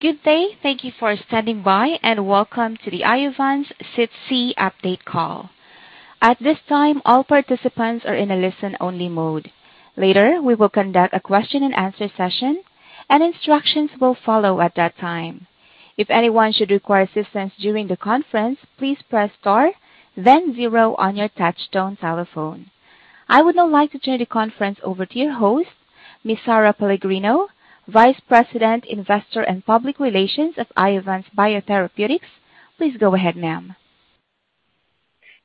Good day. Thank you for standing by, and welcome to the Iovance SITC Update Call. At this time, all participants are in a listen-only mode. Later, we will conduct a question-and-answer session, and instructions will follow at that time. If anyone should require assistance during the conference, please press star then zero on your touchtone telephone. I would now like to turn the conference over to your host, Ms. Sara Pellegrino, Vice President, Investor and Public Relations at Iovance Biotherapeutics. Please go ahead, ma'am.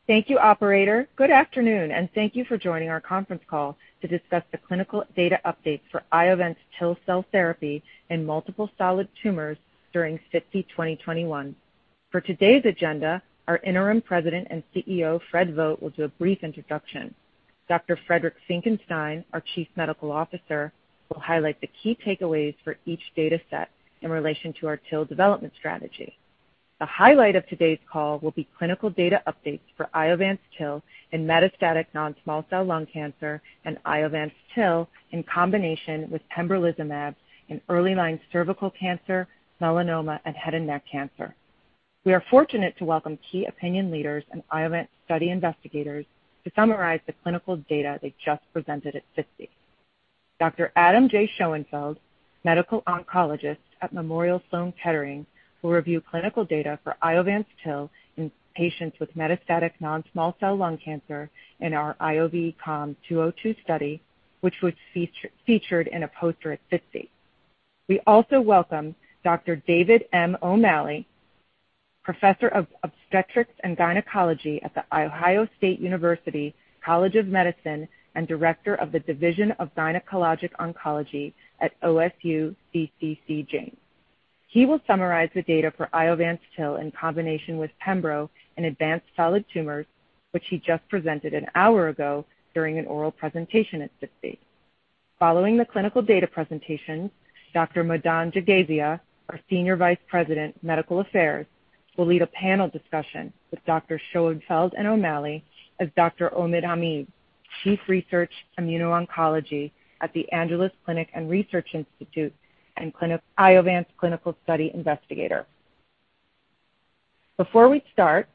Thank you, operator. Good afternoon, and thank you for joining our conference call to discuss the clinical data updates for Iovance TIL cell therapy in multiple solid tumors during SITC 2021. For today's agenda, our interim President and CEO, Fred Vogt, will do a brief introduction. Dr. Friedrich Graf Finckenstein, our Chief Medical Officer, will highlight the key takeaways for each data set in relation to our TIL development strategy. The highlight of today's call will be clinical data updates for Iovance TIL in metastatic non-small cell lung cancer and Iovance TIL in combination with pembrolizumab in early line cervical cancer, melanoma, and head and neck cancer. We are fortunate to welcome key opinion leaders and Iovance study investigators to summarize the clinical data they just presented at SITC. Dr. Adam J. Schoenfeld, Medical Oncologist at Memorial Sloan Kettering Cancer Center, will review clinical data for Iovance TIL in patients with metastatic non-small cell lung cancer in our IOV-COM-202 study, which was featured in a poster at SITC. We also welcome Dr. David M. O'Malley, Professor of Obstetrics and Gynecology at The Ohio State University College of Medicine and Director of the Division of Gynecologic Oncology at OSU CCC – Arthur G. James Cancer Hospital. He will summarize the data for Iovance TIL in combination with pembro in advanced solid tumors, which he just presented an hour ago during an oral presentation at SITC. Following the clinical data presentation, Dr. Madan Jagasia, our Senior Vice President, Medical Affairs, will lead a panel discussion with Dr. Schoenfeld and O'Malley as Dr. Omid Hamid, Chief, Translational Research & Immuno-Oncology at The Angeles Clinic and Research Institute and Iovance Clinical Study Investigator. Before we start,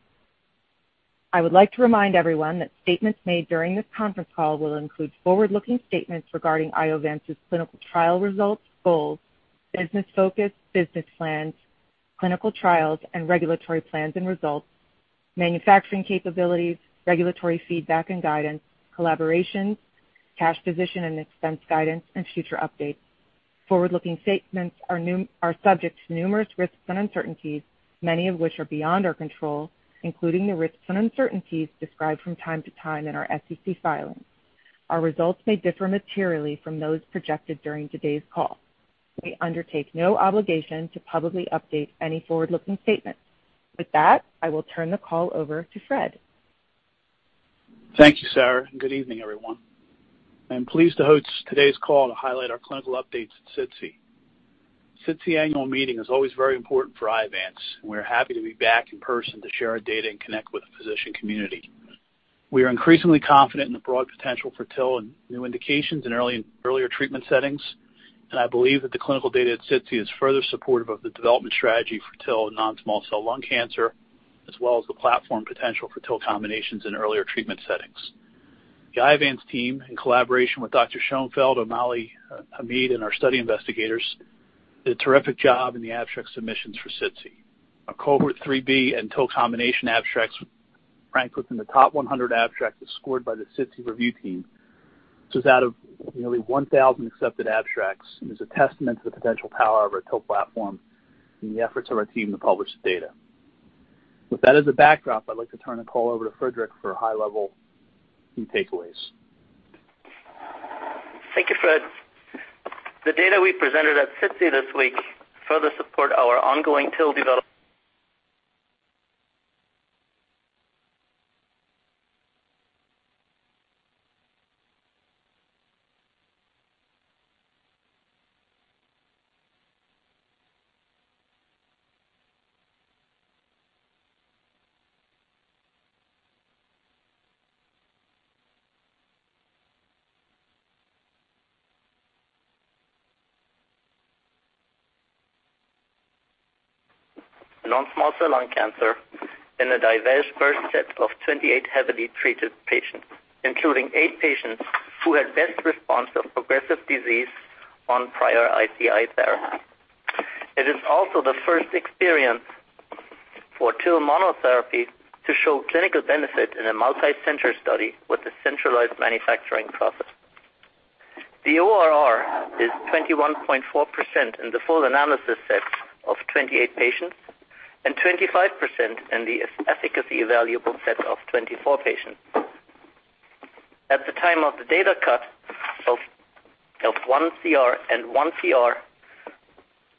I would like to remind everyone that statements made during this conference call will include forward-looking statements regarding Iovance's clinical trial results, goals, business focus, business plans, clinical trials and regulatory plans and results, manufacturing capabilities, regulatory feedback and guidance, collaborations, cash position and expense guidance, and future updates. Forward-looking statements are subject to numerous risks and uncertainties, many of which are beyond our control, including the risks and uncertainties described from time to time in our SEC filings. Our results may differ materially from those projected during today's call. We undertake no obligation to publicly update any forward-looking statement. With that, I will turn the call over to Fred. Thank you, Sara, and good evening, everyone. I'm pleased to host today's call to highlight our clinical updates at SITC. SITC annual meeting is always very important for Iovance. We're happy to be back in person to share our data and connect with the physician community. We are increasingly confident in the broad potential for TIL and new indications in earlier treatment settings, and I believe that the clinical data at SITC is further supportive of the development strategy for TIL in non-small cell lung cancer, as well as the platform potential for TIL combinations in earlier treatment settings. The Iovance team, in collaboration with Dr. Schoenfeld, O'Malley, Hamid, and our study investigators, did a terrific job in the abstract submissions for SITC. Our Cohort 3B and TIL combination abstracts ranked within the top 100 abstracts scored by the SITC review team. This is out of nearly 1,000 accepted abstracts and is a testament to the potential power of our TIL platform and the efforts of our team to publish the data. With that as a backdrop, I'd like to turn the call over to Friedrich for high-level key takeaways. Thank you, Fred. The data we presented at SITC this week further support our ongoing TIL development in non-small cell lung cancer in a diverse first set of 28 heavily treated patients, including eight patients who had best response of progressive disease on prior ICI therapy. It is also the first experience for TIL monotherapy to show clinical benefit in a multicenter study with a centralized manufacturing process. The ORR is 21.4% in the full analysis set of 28 patients, and 25% in the efficacy evaluable set of 24 patients. At the time of the data cutoff, one CR and one PR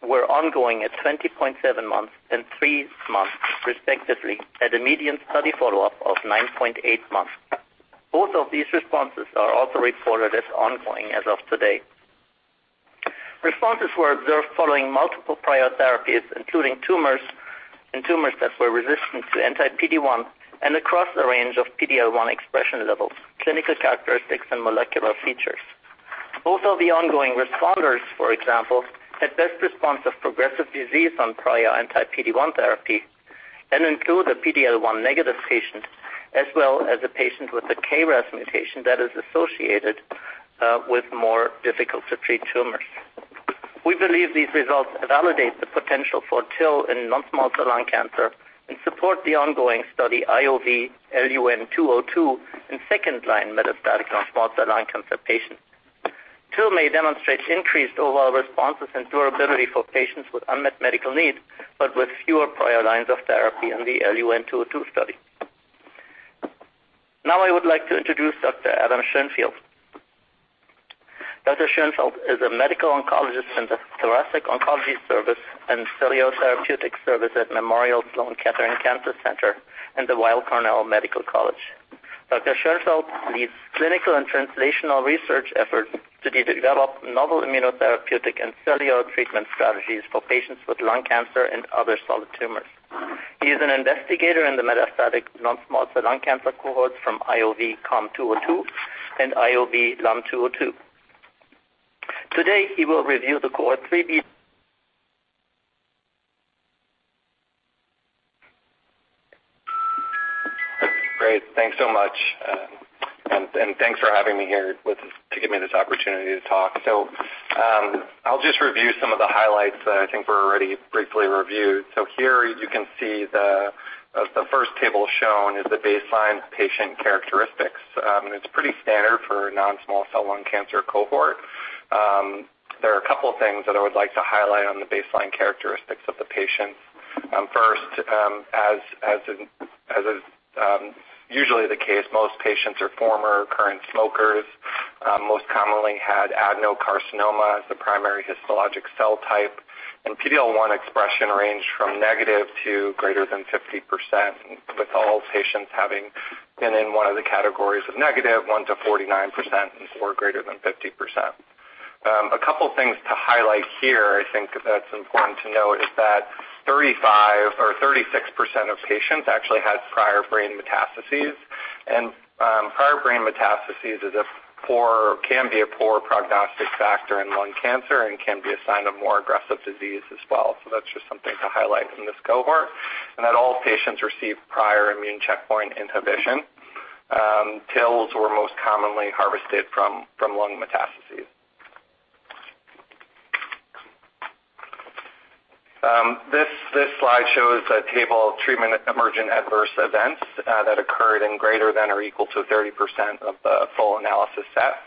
were ongoing at 20.7 months and three months respectively at a median study follow-up of 9.8 months. Both of these responses are also reported as ongoing as of today. Responses were observed following multiple prior therapies, including in tumors that were resistant to anti-PD-1 and across the range of PD-L1 expression levels, clinical characteristics, and molecular features. Also, the ongoing responders, for example, had best response of progressive disease on prior anti-PD-1 therapy and include a PD-L1 negative patient, as well as a patient with a KRAS mutation that is associated with more difficult to treat tumors. We believe these results validate the potential for TIL in non-small cell lung cancer and support the ongoing study IOV-LUN-202 in second-line metastatic non-small cell lung cancer patients. TIL may demonstrate increased overall responses and durability for patients with unmet medical needs, but with fewer prior lines of therapy in the LUN-202 study. Now I would like to introduce Dr. Adam J. Schoenfeld. Schoenfeld is a medical oncologist in the Thoracic Oncology Service and Cellular Therapeutic Service at Memorial Sloan Kettering Cancer Center and the Weill Cornell Medical College. Dr. Schoenfeld leads clinical and translational research efforts to develop novel immunotherapeutic and cellular treatment strategies for patients with lung cancer and other solid tumors. He is an investigator in the metastatic non-small cell lung cancer cohort from IOV-COM-202 and IOV-LUN-202. Today, he will review the Cohort 3B. Great, thanks so much. Thanks for having me here to give me this opportunity to talk. I'll just review some of the highlights that I think were already briefly reviewed. Here you can see the first table shown is the baseline patient characteristics. It's pretty standard for non-small cell lung cancer cohort. There are a couple of things that I would like to highlight on the baseline characteristics of the patients. First, as is usually the case, most patients are former or current smokers, most commonly had adenocarcinoma as the primary histologic cell type, and PD-L1 expression ranged from negative to greater than 50%, with all patients having been in one of the categories of negative 1%-49% or greater than 50%. A couple of things to highlight here. I think that's important to note is that 35% or 36% of patients actually had prior brain metastases. Prior brain metastases can be a poor prognostic factor in lung cancer and can be a sign of more aggressive disease as well. That's just something to highlight in this cohort. All patients received prior immune checkpoint inhibition. TILs were most commonly harvested from lung metastases. This slide shows a table of treatment emergent adverse events that occurred in ≥30% of the full analysis set.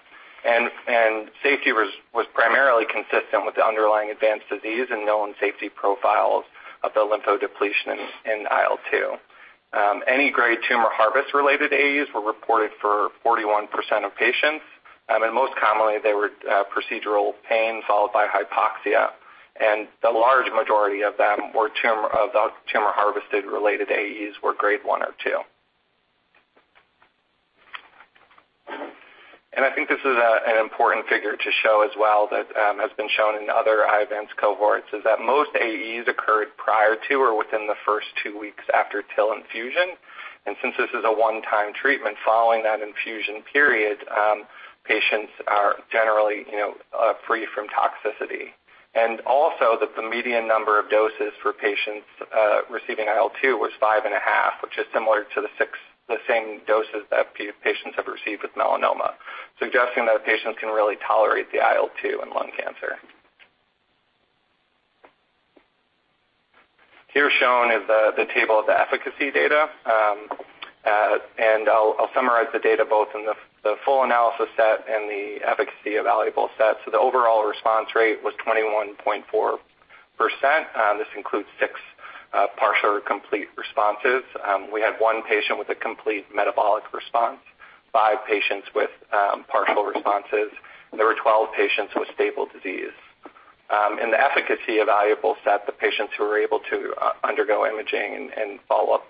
Safety was primarily consistent with the underlying advanced disease and known safety profiles of the lymphodepletion in IL-2. Any grade tumor harvest-related AEs were reported for 41% of patients. Most commonly they were procedural pain followed by hypoxia, and the large majority of them were of the tumor harvested related AEs were grade one and two. I think this is an important figure to show as well that has been shown in other Iovance cohorts is that most AEs occurred prior to or within the first two weeks after TIL infusion. Since this is a one-time treatment, following that infusion period, patients are generally, you know, free from toxicity. Also, that the median number of doses for patients receiving IL-2 was 5.5, which is similar to the six doses that patients have received with melanoma, suggesting that patients can really tolerate the IL-2 in lung cancer. Here shown is the table of the efficacy data. I'll summarize the data both in the full analysis set and the efficacy evaluable set. The overall response rate was 21.4%. This includes six partial or complete responses. We had one patient with a complete metabolic response, five patients with partial responses, and there were 12 patients with stable disease. In the efficacy evaluable set, the patients who were able to undergo imaging and follow-up,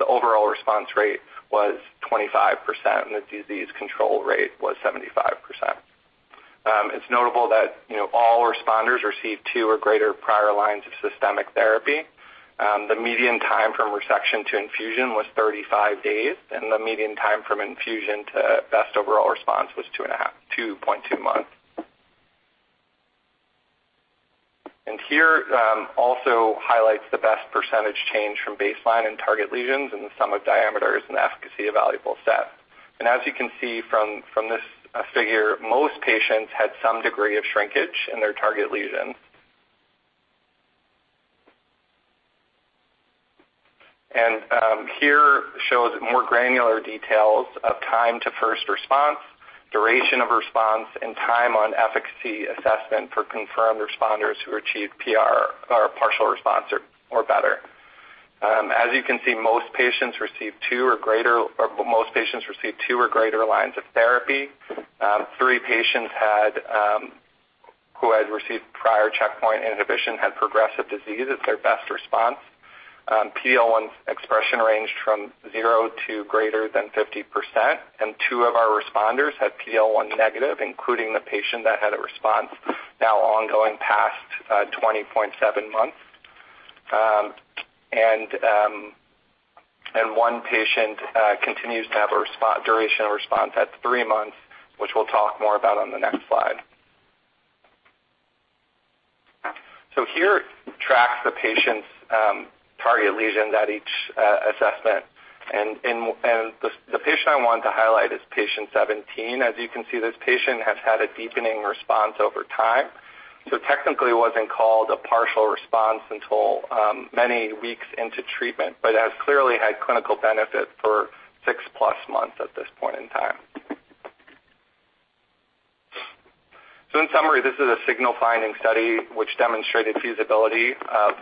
the overall response rate was 25%, and the disease control rate was 75%. It's notable that, you know, all responders received 2 or greater prior lines of systemic therapy. The median time from resection to infusion was 35 days, and the median time from infusion to best overall response was 2.2 months. Here also highlights the best percentage change from baseline and target lesions in the sum of diameters and efficacy evaluable set. As you can see from this figure, most patients had some degree of shrinkage in their target lesions. Here shows more granular details of time to first response, duration of response, and time on efficacy assessment for confirmed responders who achieved PR or partial response or better. As you can see, most patients received two or greater lines of therapy. Three patients who had received prior checkpoint inhibition had progressive disease as their best response. PD-L1 expression ranged from 0 to greater than 50%, and two of our responders had PD-L1 negative, including the patient that had a response now ongoing past 20.7 months. One patient continues to have a duration of response at three months, which we'll talk more about on the next slide. Here tracks the patient's target lesions at each assessment. The patient I want to highlight is patient 17. As you can see, this patient has had a deepening response over time. Technically wasn't called a partial response until many weeks into treatment, but has clearly had clinical benefit for six plus months at this point in time. In summary, this is a signal-finding study which demonstrated feasibility of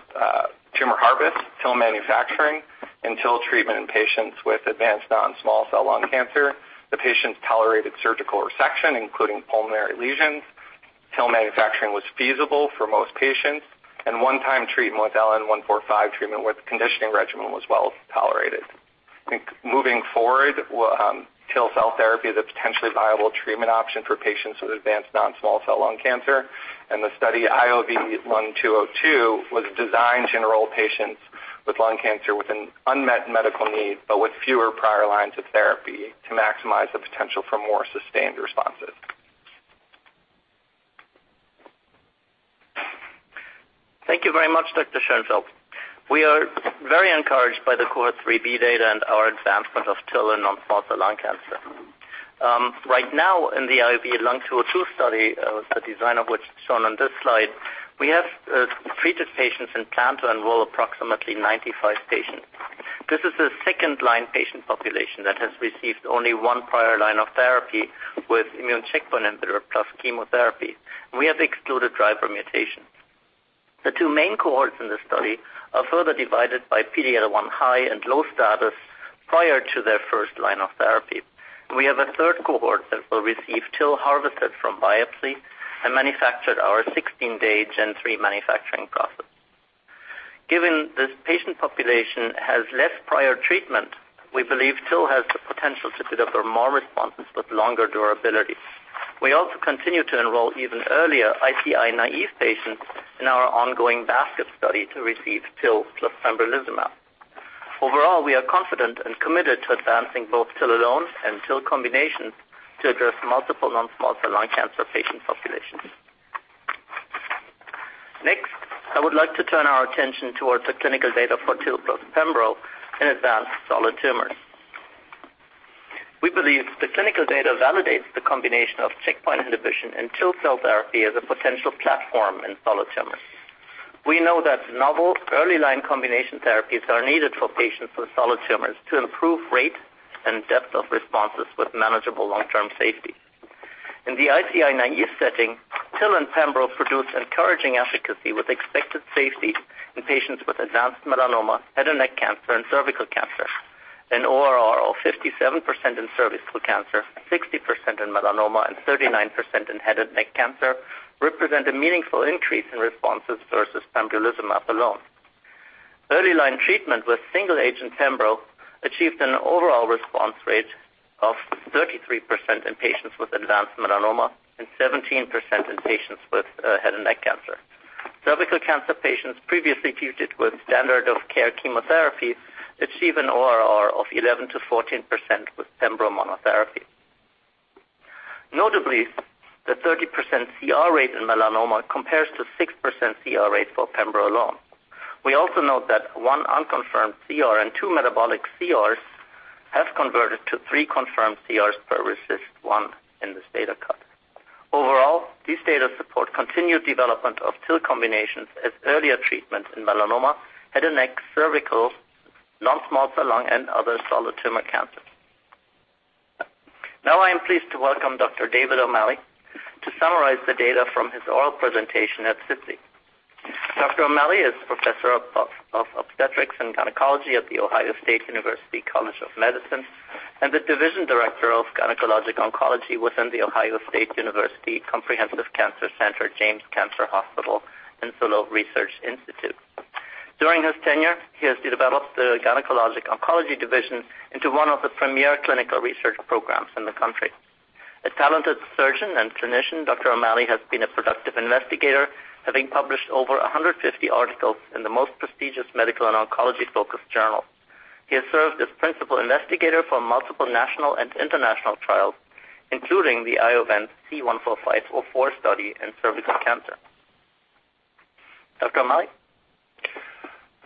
tumor harvest, TIL manufacturing, and TIL treatment in patients with advanced non-small cell lung cancer. The patients tolerated surgical resection, including pulmonary lesions. TIL manufacturing was feasible for most patients, and one-time treatment with LN-145 treatment with conditioning regimen was well-tolerated. Moving forward, we'll TIL cell therapy is a potentially viable treatment option for patients with advanced non-small cell lung cancer. The study IOV-LUN-202 was designed to enroll patients with lung cancer with an unmet medical need, but with fewer prior lines of therapy to maximize the potential for more sustained responses. Thank you very much, Dr. Schoenfeld. We are very encouraged by the Cohort 3B data and our advancement of TIL in non-small cell lung cancer. Right now, in the IOV-LUN-202 study, the design of which is shown on this slide, we have treated patients and plan to enroll approximately 95 patients. This is a second-line patient population that has received only one prior line of therapy with immune checkpoint inhibitor plus chemotherapy. We have excluded driver mutations. The two main cohorts in the study are further divided by PD-L1 high and low status prior to their first line of therapy. We have a third cohort that will receive TIL harvested from biopsy and manufactured our 16-day Gen 3 manufacturing process. Given this patient population has less prior treatment, we believe TIL has the potential to deliver more responses with longer durability. We also continue to enroll even earlier ICI-naive patients in our ongoing basket study to receive TIL plus pembrolizumab. Overall, we are confident and committed to advancing both TIL alone and TIL combinations to address multiple non-small cell lung cancer patient populations. Next, I would like to turn our attention towards the clinical data for TIL plus pembro in advanced solid tumors. We believe the clinical data validates the combination of checkpoint inhibition and TIL cell therapy as a potential platform in solid tumors. We know that novel early line combination therapies are needed for patients with solid tumors to improve rate and depth of responses with manageable long-term safety. In the ICI-naive setting, TIL and pembro produced encouraging efficacy with expected safety in patients with advanced melanoma, head and neck cancer, and cervical cancer. An ORR of 57% in cervical cancer, 60% in melanoma, and 39% in head and neck cancer represent a meaningful increase in responses versus pembrolizumab alone. Early line treatment with single-agent pembro achieved an overall response rate of 33% in patients with advanced melanoma and 17% in patients with head and neck cancer. Cervical cancer patients previously treated with standard of care chemotherapy achieved an ORR of 11%-14% with pembro monotherapy. Notably, the 30% CR rate in melanoma compares to 6% CR rate for pembro alone. We also note that one unconfirmed CR and two metabolic CRs have converted to three confirmed CRs per RECIST 1.1 in this data cut. Overall, these data support continued development of TIL combinations as earlier treatment in melanoma, head and neck, cervical, non-small cell lung, and other solid tumor cancers. Now I am pleased to welcome Dr. David O'Malley to summarize the data from his oral presentation at SITC. Dr. O'Malley is Professor of Obstetrics and Gynecology at the Ohio State University College of Medicine and the Division Director of Gynecologic Oncology within the Ohio State University Comprehensive Cancer Center, James Cancer Hospital and Solove Research Institute. During his tenure, he has developed the Gynecologic Oncology Division into one of the premier clinical research programs in the country. A talented surgeon and clinician, Dr. O'Malley has been a productive investigator, having published over 150 articles in the most prestigious medical and oncology-focused journals. He has served as principal investigator for multiple national and international trials, including the C-145-04 study in cervical cancer. Dr. O'Malley?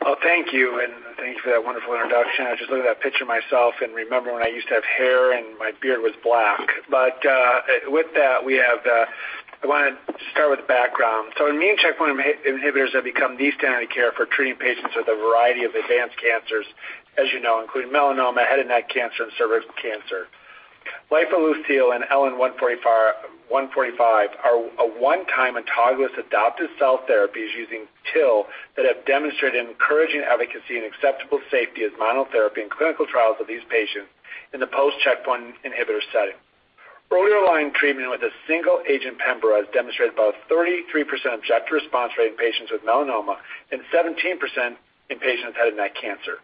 Well, thank you, and thank you for that wonderful introduction. I just looked at that picture myself and remember when I used to have hair and my beard was black. With that, I wanna start with the background. Immune checkpoint inhibitors have become the standard care for treating patients with a variety of advanced cancers, as you know, including melanoma, head and neck cancer, and cervical cancer. Lifileucel and LN-145 are one-time autologous adoptive cell therapies using TIL that have demonstrated encouraging efficacy and acceptable safety as monotherapy in clinical trials of these patients in the post-checkpoint inhibitor setting. Earlier line treatment with a single-agent pembro has demonstrated about 33% objective response rate in patients with melanoma and 17% in patients with head and neck cancer.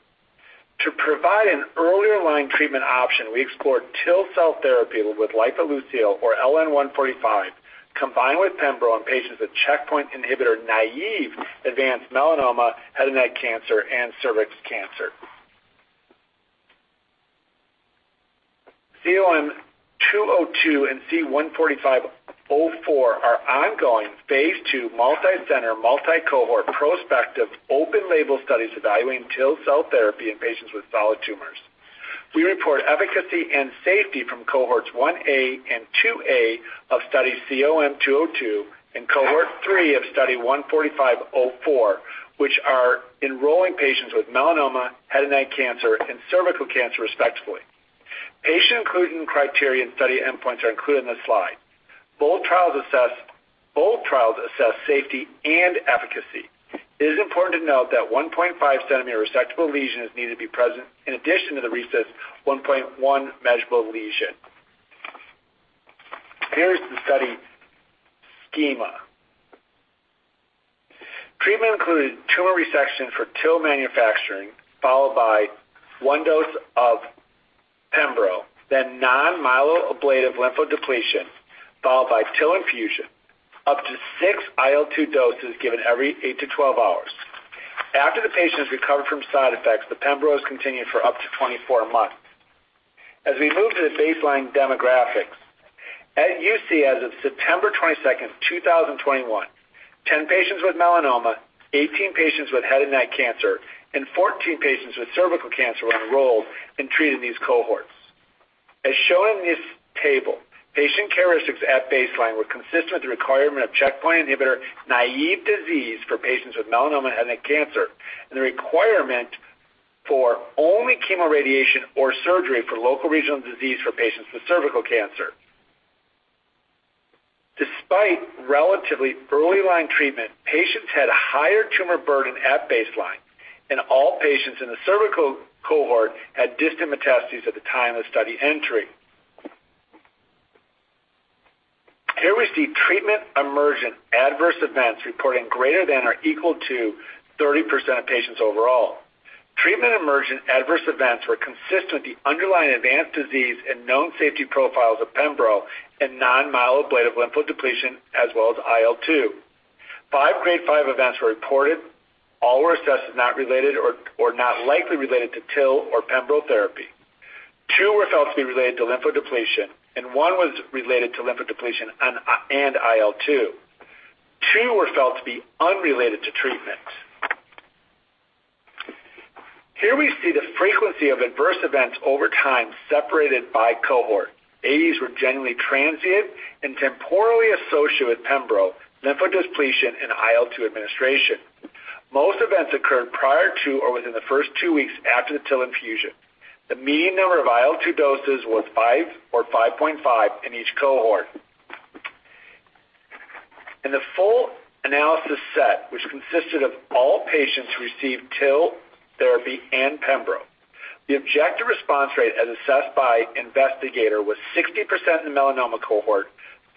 To provide an earlier line treatment option we explored TIL cell therapy with lifileucel or LN-145 combined with pembro in patients with checkpoint inhibitor naive advanced melanoma, head and neck cancer and cervix cancer. IOV-COM-202 and C-145-04 are ongoing phase II multi-center, multi-cohort, prospective open-label studies evaluating TIL cell therapy in patients with solid tumors. We report efficacy and safety from Cohorts 1A and 2A of study IOV-COM-202 and Cohort three of study C-145-04, which are enrolling patients with melanoma, head and neck cancer and cervical cancer respectively. Patient inclusion criteria and study endpoints are included in this slide. Both trials assess safety and efficacy. It is important to note that 1.5 cm resectable lesions need to be present in addition to the RECIST 1.1 measurable lesion. Here is the study schema. Treatment included tumor resection for TIL manufacturing, followed by one dose of pembro, then non-myeloablative lymphodepletion, followed by TIL infusion, up to six IL-2 doses given every 8-12 hours. After the patient has recovered from side effects, the pembro is continued for up to 24 months. As we move to the baseline demographics. At UC as of September 22, 2021, 10 patients with melanoma, 18 patients with head and neck cancer and 14 patients with cervical cancer were enrolled and treated in these cohorts. As shown in this table, patient characteristics at baseline were consistent with the requirement of checkpoint inhibitor naive disease for patients with melanoma and neck cancer, and the requirement for only chemoradiation or surgery for local regional disease for patients with cervical cancer. Despite relatively early line treatment, patients had a higher tumor burden at baseline, and all patients in the cervical cohort had distant metastases at the time of study entry. Here we see treatment emergent adverse events reporting greater than or equal to 30% of patients overall. Treatment emergent adverse events were consistent with the underlying advanced disease and known safety profiles of pembro and non-myeloablative lymphodepletion, as well as IL-2. five grade five events were reported. All were assessed as not related or not likely related to TIL or pembro therapy. Two were felt to be related to lymphodepletion, and one was related to lymphodepletion and IL-2. Two were felt to be unrelated to treatment. Here we see the frequency of adverse events over time separated by cohort. AEs were generally transient and temporally associated with pembro, lymphodepletion and IL-2 administration. Most events occurred prior to or within the first two weeks after the TIL infusion. The mean number of IL-2 doses was five or 5.5 in each cohort. In the full analysis set, which consisted of all patients who received TIL therapy and pembro, the objective response rate as assessed by investigator was 60% in the melanoma cohort,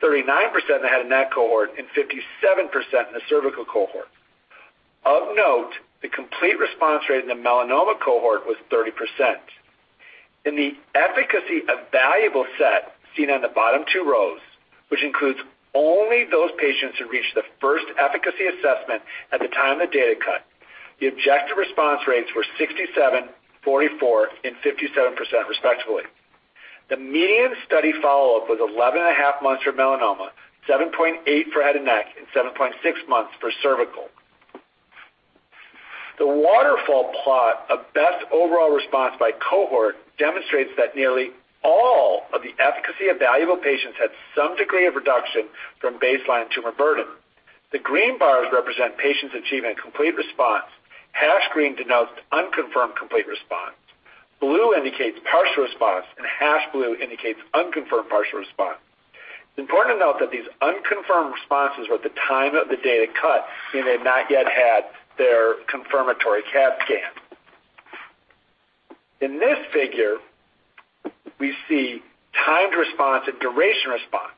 39% in the head and neck cohort, and 57% in the cervical cohort. Of note, the complete response rate in the melanoma cohort was 30%. In the efficacy evaluable set seen on the bottom two rows, which includes only those patients who reached the first efficacy assessment at the time of the data cut, the objective response rates were 67%, 44% and 57% respectively. The median study follow-up was 11.5 months for melanoma, 7.8 for head and neck, and 7.6 months for cervical. The waterfall plot of best overall response by cohort demonstrates that nearly all of the efficacy evaluable patients had some degree of reduction from baseline tumor burden. The green bars represent patients achieving a complete response. Hash green denotes unconfirmed complete response. Blue indicates partial response, and hash blue indicates unconfirmed partial response. It's important to note that these unconfirmed responses were at the time of the data cut, meaning they had not yet had their confirmatory CAT scan. In this figure, we see timed response and duration response.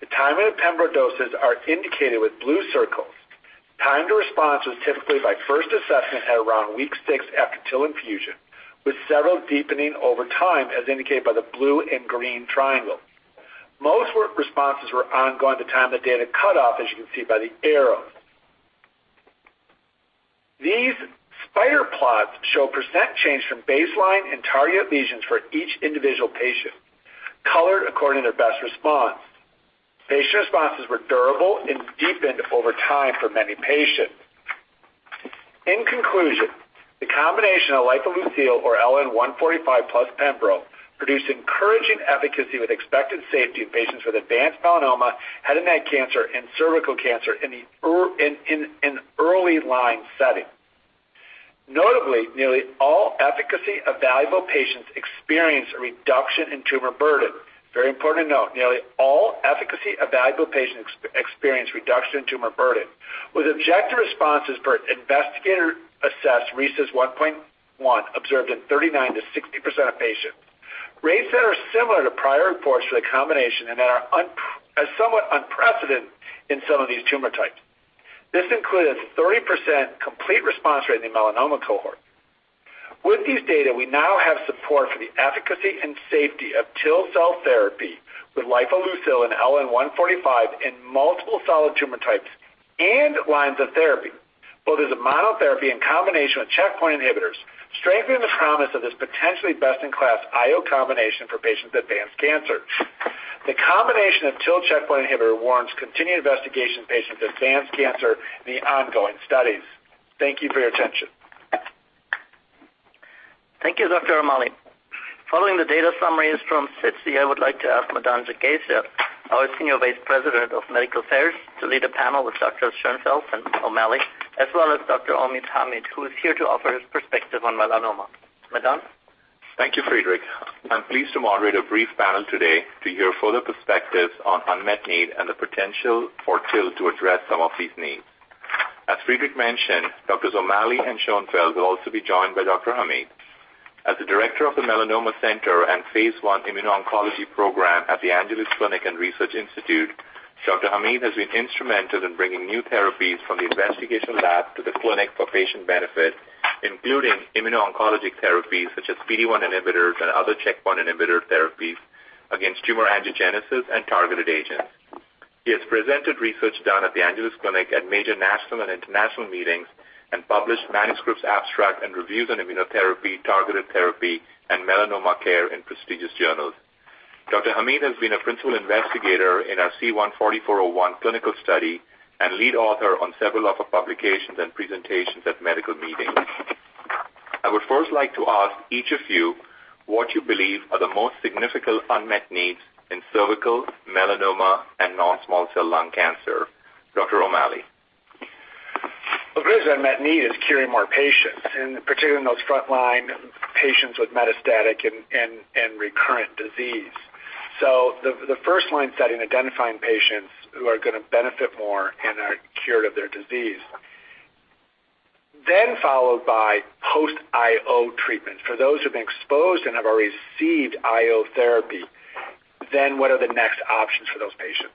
The timing of pembro doses are indicated with blue circles. Time to response was typically by first assessment at around week six after TIL infusion, with several deepening over time as indicated by the blue and green triangle. Most responses were ongoing at the time of the data cut off, as you can see by the arrow. These spider plots show percent change from baseline in target lesions for each individual patient, colored according to their best response. Patient responses were durable and deepened over time for many patients. In conclusion, the combination of lifileucel or LN-145 plus pembro produced encouraging efficacy with expected safety in patients with advanced melanoma, head and neck cancer and cervical cancer in an early line setting. Notably, nearly all efficacy evaluable patients experienced a reduction in tumor burden. Very important to note, nearly all efficacy evaluable patients experienced reduction in tumor burden with objective responses per investigator assessed RECIST 1.1 observed in 39%-60% of patients. Rates that are similar to prior reports for the combination and that are somewhat unprecedented in some of these tumor types. This included a 30% complete response rate in the melanoma cohort. With these data, we now have support for the efficacy and safety of TIL cell therapy with lifileucel and LN-145 in multiple solid tumor types and lines of therapy, both as a monotherapy in combination with checkpoint inhibitors, strengthening the promise of this potentially best-in-class IO combination for patients with advanced cancer. The combination of TIL checkpoint inhibitor warrants continued investigation in patients with advanced cancer in the ongoing studies. Thank you for your attention. Thank you, Dr. O'Malley. Following the data summaries from SITC, I would like to ask Madan Jagasia, our Senior Vice President of Medical Affairs, to lead a panel with Drs. Schoenfeld and O'Malley, as well as Dr. Omid Hamid, who is here to offer his perspective on melanoma. Madan? Thank you, Friedrich. I'm pleased to moderate a brief panel today to hear further perspectives on unmet need and the potential for TIL to address some of these needs. As Friedrich mentioned, Drs. O'Malley and Schoenfeld will also be joined by Dr. Hamid. As the director of the Melanoma Center and phase 1 Immuno-Oncology program at The Angeles Clinic and Research Institute, Dr. Hamid has been instrumental in bringing new therapies from the investigational lab to the clinic for patient benefit, including immuno-oncology therapies such as PD-1 inhibitors and other checkpoint inhibitor therapies against tumor angiogenesis and targeted agents. He has presented research done at The Angeles Clinic at major national and international meetings and published manuscripts, abstracts, and reviews on immunotherapy, targeted therapy, and melanoma care in prestigious journals. Dr. Hamid has been a principal investigator in our C-144-01 clinical study and lead author on several other publications and presentations at medical meetings. I would first like to ask each of you what you believe are the most significant unmet needs in cervical, melanoma, and non-small cell lung cancer. Dr. O'Malley? The greatest unmet need is curing more patients, and particularly in those front-line patients with metastatic and recurrent disease. The first line setting, identifying patients who are going to benefit more and are cured of their disease, followed by post-IO treatment. For those who've been exposed and have already received IO therapy, then what are the next options for those patients?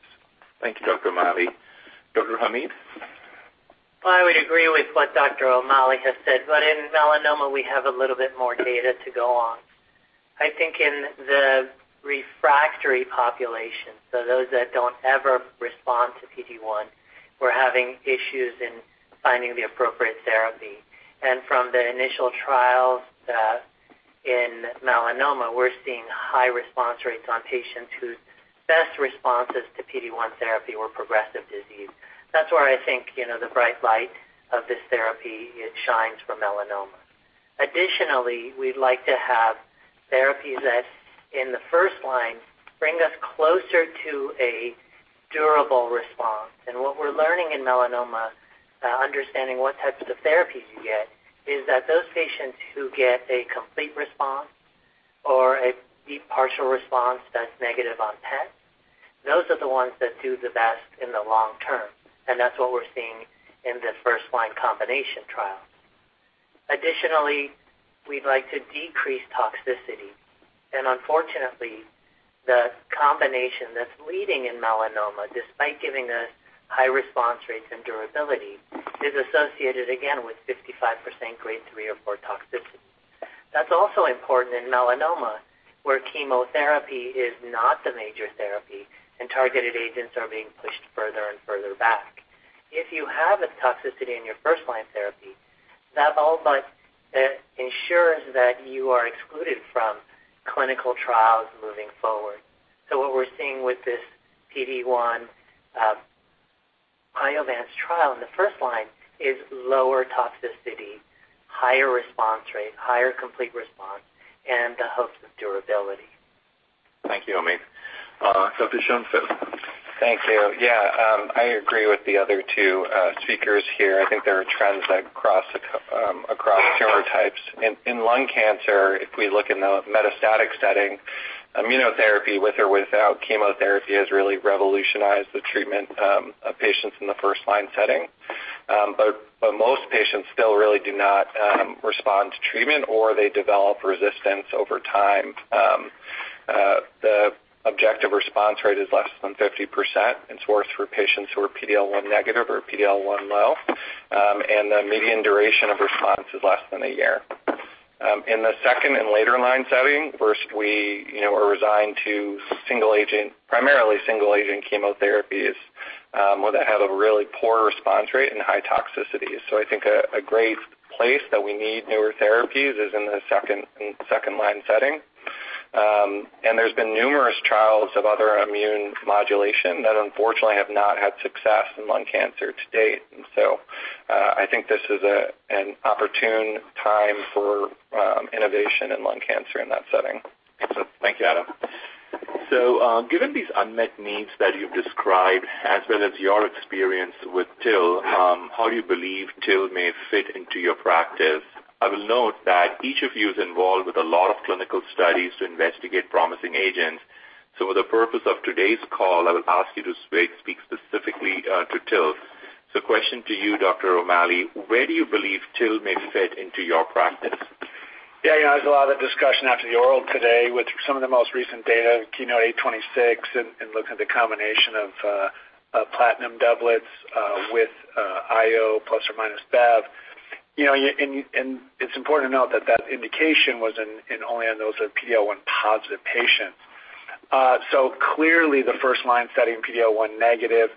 Thank you, Dr. O'Malley. Dr. Hamid? I would agree with what Dr. O'Malley has said, but in melanoma, we have a little bit more data to go on. I think in the refractory population, so those that don't ever respond to PD-1, we're having issues in finding the appropriate therapy. From the initial trials, in melanoma, we're seeing high response rates on patients whose best responses to PD-1 therapy were progressive disease. That's where I think, you know, the bright light of this therapy, it shines for melanoma. Additionally, we'd like to have therapies that, in the first line, bring us closer to a durable response. What we're learning in melanoma, understanding what types of therapies you get, is that those patients who get a complete response or a deep partial response that's negative on PET, those are the ones that do the best in the long term, and that's what we're seeing in the first-line combination trial. Additionally, we'd like to decrease toxicity. Unfortunately, the combination that's leading in melanoma, despite giving us high response rates and durability, is associated again with 55% grade three or four toxicity. That's also important in melanoma, where chemotherapy is not the major therapy and targeted agents are being pushed further and further back. If you have a toxicity in your first-line therapy, that all but ensures that you are excluded from clinical trials moving forward. What we're seeing with this PD-1 Iovance trial in the first line is lower toxicity, higher response rate, higher complete response, and the hopes of durability. Thank you, Omid. Dr. Schoenfeld? Thank you. Yeah, I agree with the other two speakers here. I think there are trends that cross across tumor types. In lung cancer, if we look in the metastatic setting, immunotherapy with or without chemotherapy has really revolutionized the treatment of patients in the first-line setting. Most patients still really do not respond to treatment or they develop resistance over time. The objective response rate is less than 50%. It's worse for patients who are PD-L1 negative or PD-L1 low. The median duration of response is less than a year. In the second and later line setting, first we you know are resigned to single agent primarily single agent chemotherapies that have a really poor response rate and high toxicity. I think a great place that we need newer therapies is in the second line setting. There's been numerous trials of other immune modulation that unfortunately have not had success in lung cancer to date. I think this is an opportune time for innovation in lung cancer in that setting. Thank you, Adam. Given these unmet needs that you've described, as well as your experience with TIL, how do you believe TIL may fit into your practice? I will note that each of you is involved with a lot of clinical studies to investigate promising agents. For the purpose of today's call, I will ask you to speak specifically to TIL. Question to you, Dr. O'Malley, where do you believe TIL may fit into your practice? Yeah. You know, there's a lot of discussion after the oral today with some of the most recent data, KEYNOTE-826, and looking at the combination of platinum doublets with IO plus or minus bevacizumab. You know, and it's important to note that that indication was only on those PD-L1 positive patients. So clearly the first-line setting PD-L1 negative,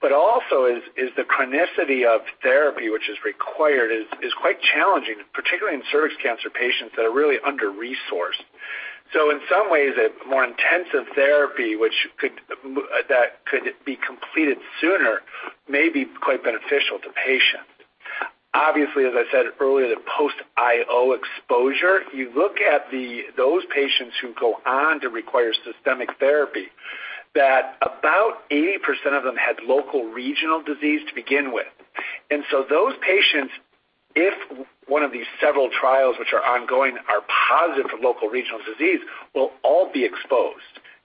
but also the chronicity of therapy which is required is quite challenging, particularly in cervical cancer patients that are really under-resourced. So in some ways, a more intensive therapy that could be completed sooner may be quite beneficial to patients. Obviously, as I said earlier, the post-IO exposure, you look at those patients who go on to require systemic therapy, that about 80% of them had local regional disease to begin with. Those patients, if one of these several trials which are ongoing are positive for local regional disease, will all be exposed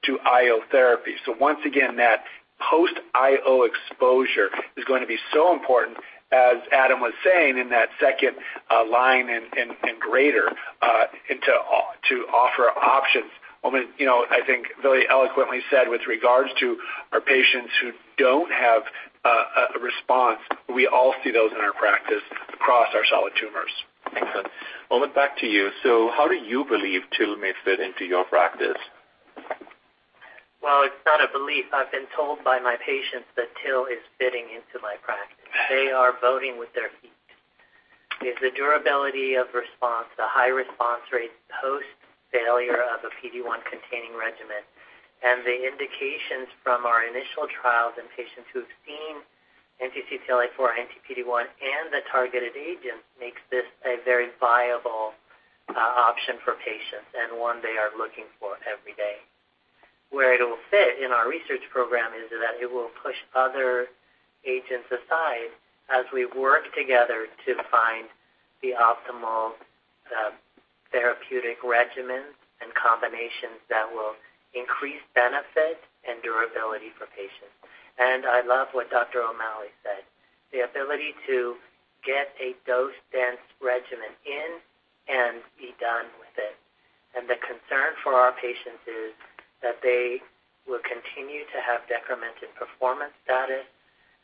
to IO therapy. Once again, that post-IO exposure is going to be so important, as Adam was saying, in that second line and greater, and to offer options. I mean, you know, I think Omid Hamid eloquently said with regards to our patients who don't have a response, we all see those in our practice across our solid tumors. Excellent. Omid, back to you. How do you believe TIL may fit into your practice? Well, it's not a belief. I've been told by my patients that TIL is fitting into my practice. They are voting with their feet. It's the durability of response, the high response rates post-failure of a PD-L1 containing regimen. The indications from our initial trials in patients who have seen anti-CTLA-4, anti-PD-1 and the targeted agent makes this a very viable option for patients and one they are looking for every day. Where it'll fit in our research program is that it will push other agents aside as we work together to find the optimal therapeutic regimens and combinations that will increase benefit and durability for patients. I love what Dr. O'Malley said, the ability to get a dose-dense regimen in and be done with it. The concern for our patients is that they will continue to have decremented performance status,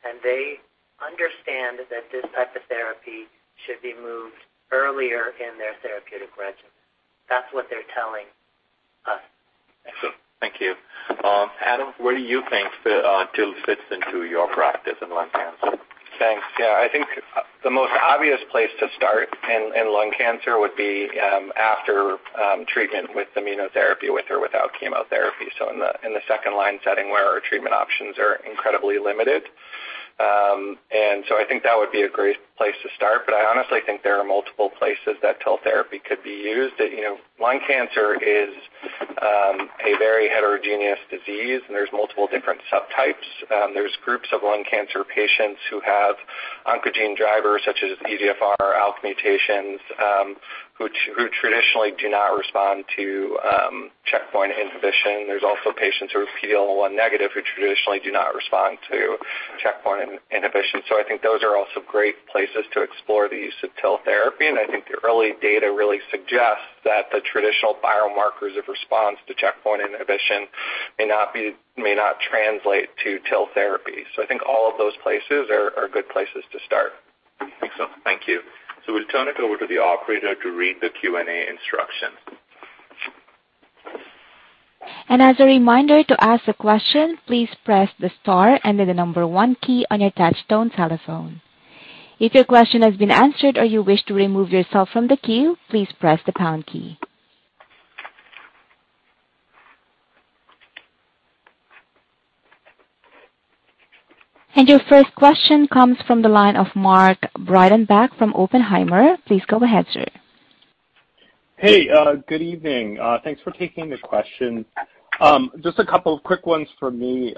and they understand that this type of therapy should be moved earlier in their therapeutic regimen. That's what they're telling us. Excellent. Thank you. Adam, where do you think TIL fits into your practice in lung cancer? Thanks. Yeah. I think the most obvious place to start in lung cancer would be after treatment with immunotherapy with or without chemotherapy. In the second line setting where our treatment options are incredibly limited. I think that would be a great place to start. But I honestly think there are multiple places that TIL therapy could be used. You know, lung cancer is a very heterogeneous disease, and there's multiple different subtypes. There's groups of lung cancer patients who have oncogene drivers such as EGFR, ALK mutations, who traditionally do not respond to checkpoint inhibition. There's also patients who are PD-L1 negative who traditionally do not respond to checkpoint inhibition. I think those are also great places to explore the use of TIL therapy. I think the early data really suggests that the traditional biomarkers of response to checkpoint inhibition may not translate to TIL therapy. I think all of those places are good places to start. Excellent. Thank you. We'll turn it over to the operator to read the Q&A instructions. Your first question comes from the line of Mark Breidenbach from Oppenheimer. Please go ahead, sir. Hey, good evening. Thanks for taking the question. Just a couple of quick ones for me.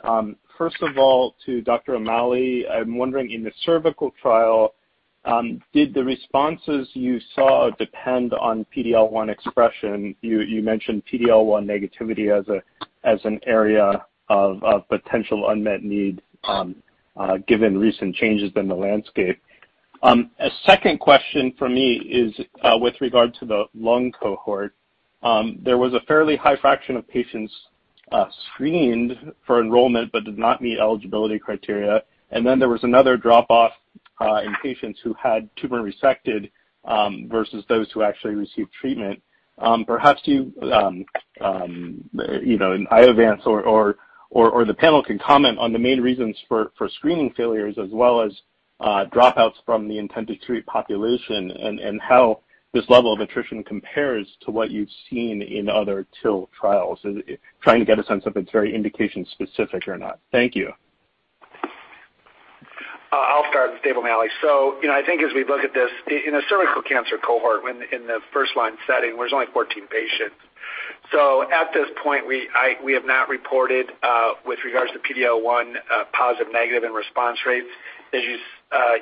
First of all, to Dr. O'Malley, I'm wondering, in the cervical trial, did the responses you saw depend on PD-L1 expression? You mentioned PD-L1 negativity as an area of potential unmet need, given recent changes in the landscape. A second question for me is, with regard to the lung cohort. There was a fairly high fraction of patients screened for enrollment but did not meet eligibility criteria. Then there was another drop off in patients who had tumor resected versus those who actually received treatment. Perhaps you know in Iovance or the panel can comment on the main reasons for screening failures as well as dropouts from the intent to treat population and how this level of attrition compares to what you've seen in other TIL trials. Trying to get a sense if it's very indication specific or not. Thank you. I'll start. David M. O'Malley. You know, I think as we look at this in a cervical cancer cohort when in the first line setting, there's only 14 patients. At this point we have not reported with regards to PD-L1 positive, negative and response rates. As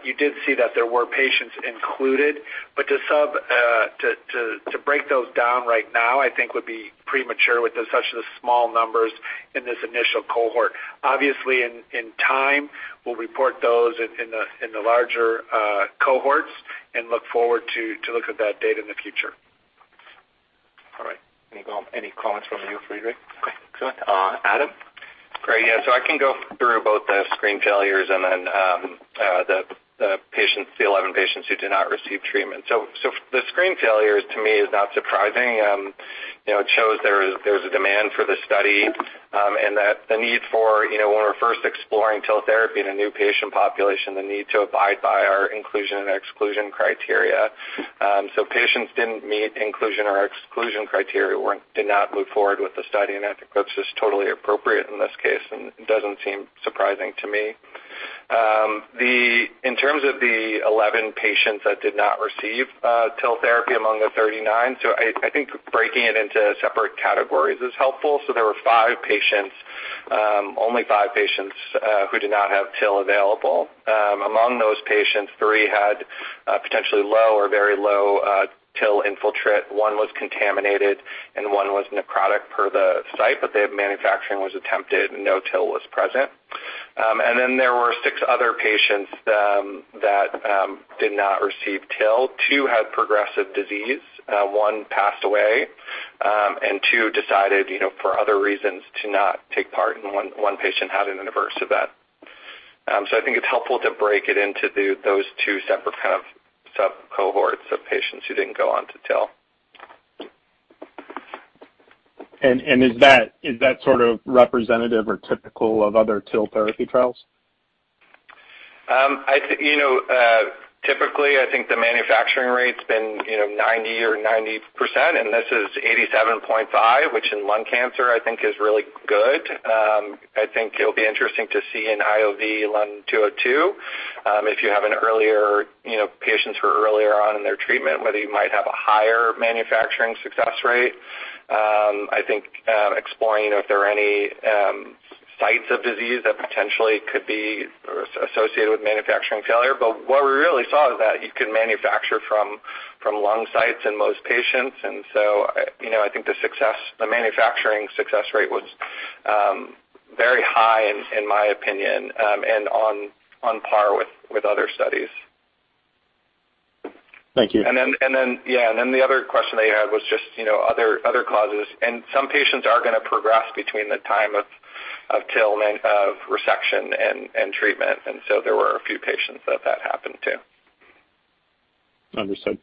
you did see that there were patients included. To break those down right now I think would be premature with such small numbers in this initial cohort. Obviously in time, we'll report those in the larger cohorts and look forward to looking at that data in the future. Any comments from you, Frederick? Okay, good. Adam? Great, yeah. I can go through both the screen failures and then the patients, the 11 patients who do not receive treatment. The screen failures to me is not surprising. You know, it shows there's a demand for the study, and that the need for, you know, when we're first exploring TIL therapy in a new patient population, the need to abide by our inclusion and exclusion criteria. Patients didn't meet inclusion or exclusion criteria did not move forward with the study. I think that's just totally appropriate in this case and doesn't seem surprising to me. In terms of the 11 patients that did not receive TIL therapy among the 39, I think breaking it into separate categories is helpful. There were five patients, only five patients, who did not have TIL available. Among those patients, three had potentially low or very low TIL infiltrate. One was contaminated, and one was necrotic per the site, but the manufacturing was attempted, and no TIL was present. And then there were six other patients that did not receive TIL. Two had progressive disease. One passed away. And two decided, you know, for other reasons to not take part, and one patient had an adverse event. I think it's helpful to break it into those two separate kind of sub-cohorts of patients who didn't go on to TIL. Is that sort of representative or typical of other TIL therapy trials? You know, typically, I think the manufacturing rate's been, you know, 90 or 90%, and this is 87.5%, which in lung cancer I think is really good. I think it'll be interesting to see in IOV-LUN-202, if you have an earlier, you know, patients who are earlier on in their treatment, whether you might have a higher manufacturing success rate. I think exploring if there are any sites of disease that potentially could be associated with manufacturing failure. But what we really saw is that you can manufacture from lung sites in most patients. You know, I think the success, the manufacturing success rate was very high in my opinion, and on par with other studies. Thank you. Yeah, then the other question that you had was just, you know, other causes. Some patients are going to progress between the time of TIL and of resection and treatment. There were a few patients that happened to. Understood.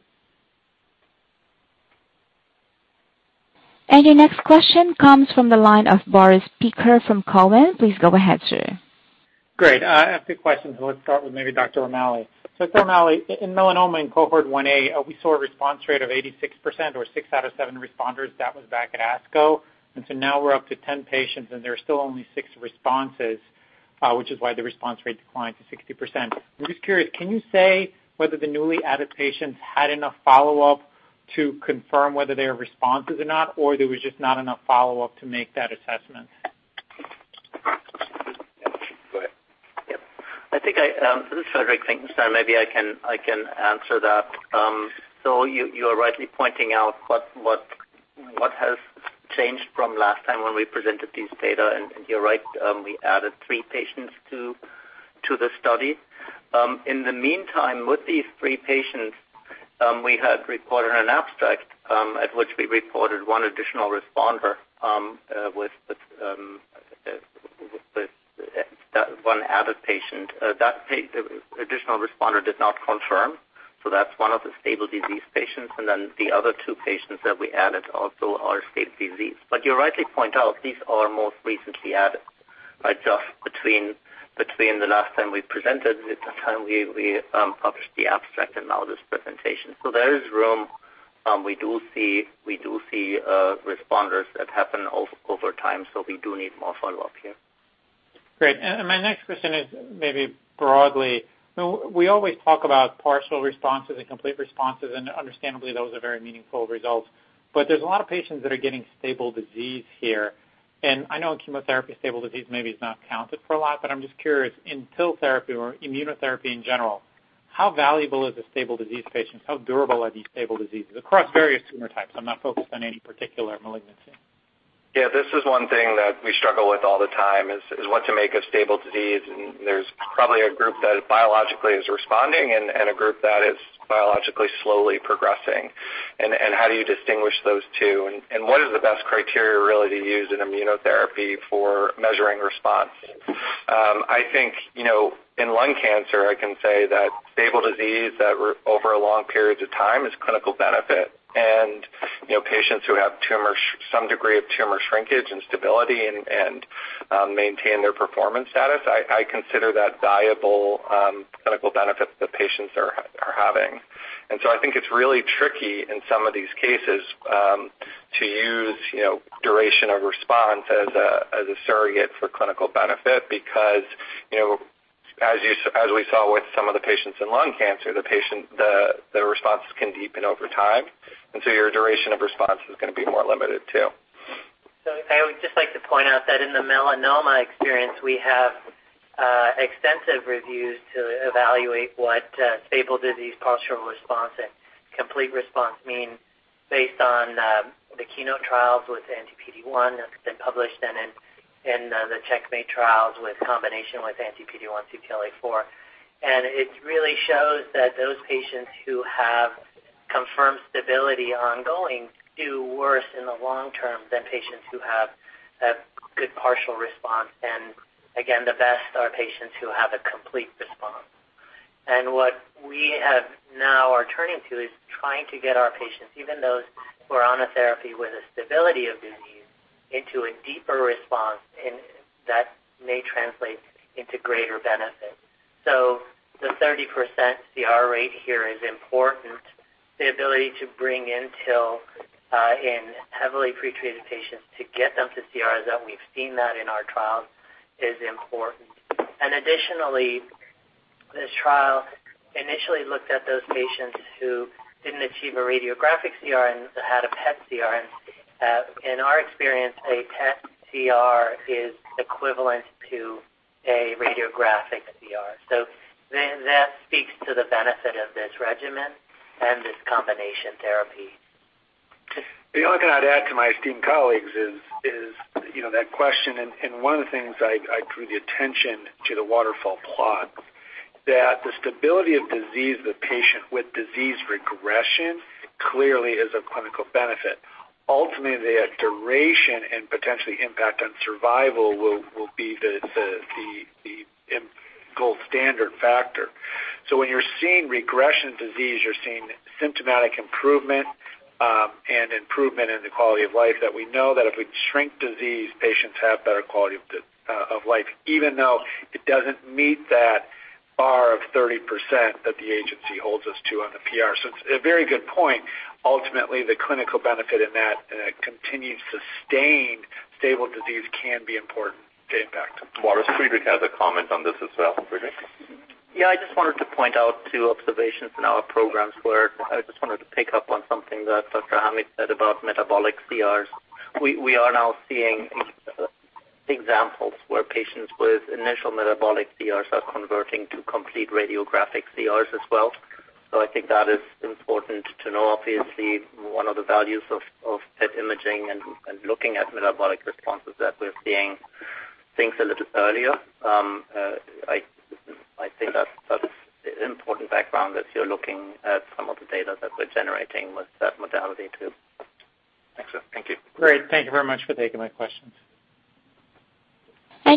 Your next question comes from the line of Boris Peaker from TD Cowen. Please go ahead, sir. Great. I have two questions. Let's start with maybe Dr. O'Malley. Dr. O'Malley, in melanoma in Cohort 1A, we saw a response rate of 86% or six out of seven responders. That was back at ASCO. Now we're up to 10 patients, and there are still only six responses, which is why the response rate declined to 60%. I'm just curious, can you say whether the newly added patients had enough follow-up to confirm whether they are responses or not, or there was just not enough follow-up to make that assessment? Yeah. Go ahead. Yep. I think this is Frederick. I think so maybe I can answer that. So you are rightly pointing out what has changed from last time when we presented this data, and you're right. We added three patients to the study. In the meantime, with these three patients, we had reported an abstract at which we reported one additional responder with that one added patient. That additional responder did not confirm, so that's one of the stable disease patients. Then the other two patients that we added also are stable disease. You rightly point out these are most recently added just between the last time we presented and the time we published the abstract and now this presentation. There is room. We do see responders that happen over time, so we do need more follow-up here. Great. My next question is maybe broadly. You know, we always talk about partial responses and complete responses, and understandably, those are very meaningful results. There's a lot of patients that are getting stable disease here. I know in chemotherapy, stable disease maybe is not counted for a lot, but I'm just curious, in TIL therapy or immunotherapy in general, how valuable is a stable disease patient? How durable are these stable diseases across various tumor types? I'm not focused on any particular malignancy. Yeah, this is one thing that we struggle with all the time, is what to make of stable disease. There's probably a group that biologically is responding and a group that is biologically slowly progressing. How do you distinguish those two? What is the best criteria really to use in immunotherapy for measuring response? I think you know in lung cancer I can say that stable disease that over long periods of time is clinical benefit. You know patients who have some degree of tumor shrinkage and stability and maintain their performance status I consider that valuable clinical benefit the patients are having. I think it's really tricky in some of these cases to use, you know, duration of response as a surrogate for clinical benefit because, you know, as we saw with some of the patients in lung cancer, the responses can deepen over time, and so your duration of response is going to be more limited too. I would just like to point out that in the melanoma experience, we have extensive reviews to evaluate what stable disease, partial response, and complete response mean based on the KEYNOTE trials with anti-PD-1 that's been published and in the CheckMate trials with combination with anti-PD-1/CTLA-4. It really shows that those patients who have confirmed stability ongoing do worse in the long term than patients who have a good partial response. Again, the best are patients who have a complete response. What we have now are turning to is trying to get our patients, even those who are on a therapy with a stability of disease, into a deeper response and that may translate into greater benefit. The 30% CR rate here is important. The ability to bring TIL in heavily pretreated patients to get them to CR, as we've seen that in our trials, is important. Additionally, this trial initially looked at those patients who didn't achieve a radiographic CR and had a PET CR. In our experience, a PET CR is equivalent to a radiographic CR. That speaks to the benefit of this regimen and this combination therapy. The only thing I'd add to my esteemed colleagues is, you know, that question and one of the things I drew the attention to the waterfall plot, that the stability of disease, the patient with disease regression clearly is a clinical benefit. Ultimately, the duration and potentially impact on survival will be the gold standard factor. When you're seeing regression disease, you're seeing symptomatic improvement, and improvement in the quality of life that we know that if we shrink disease, patients have better quality of life, even though it doesn't meet that bar of 30% that the agency holds us to on the PR. It's a very good point. Ultimately, the clinical benefit in that, in a continued sustained stable disease can be important to impact. Walter, Friedrich has a comment on this as well. Friedrich? Yeah, I just wanted to point out two observations in our programs where I just wanted to pick up on something that Dr. Hamid said about metabolic CRs. We are now seeing examples where patients with initial metabolic CRs are converting to complete radiographic CRs as well. I think that is important to know. Obviously, one of the values of PET imaging and looking at metabolic responses that we're seeing things a little earlier, I think that's important background as you're looking at some of the data that we're generating with that modality too. Excellent. Thank you. Great. Thank you very much for taking my questions.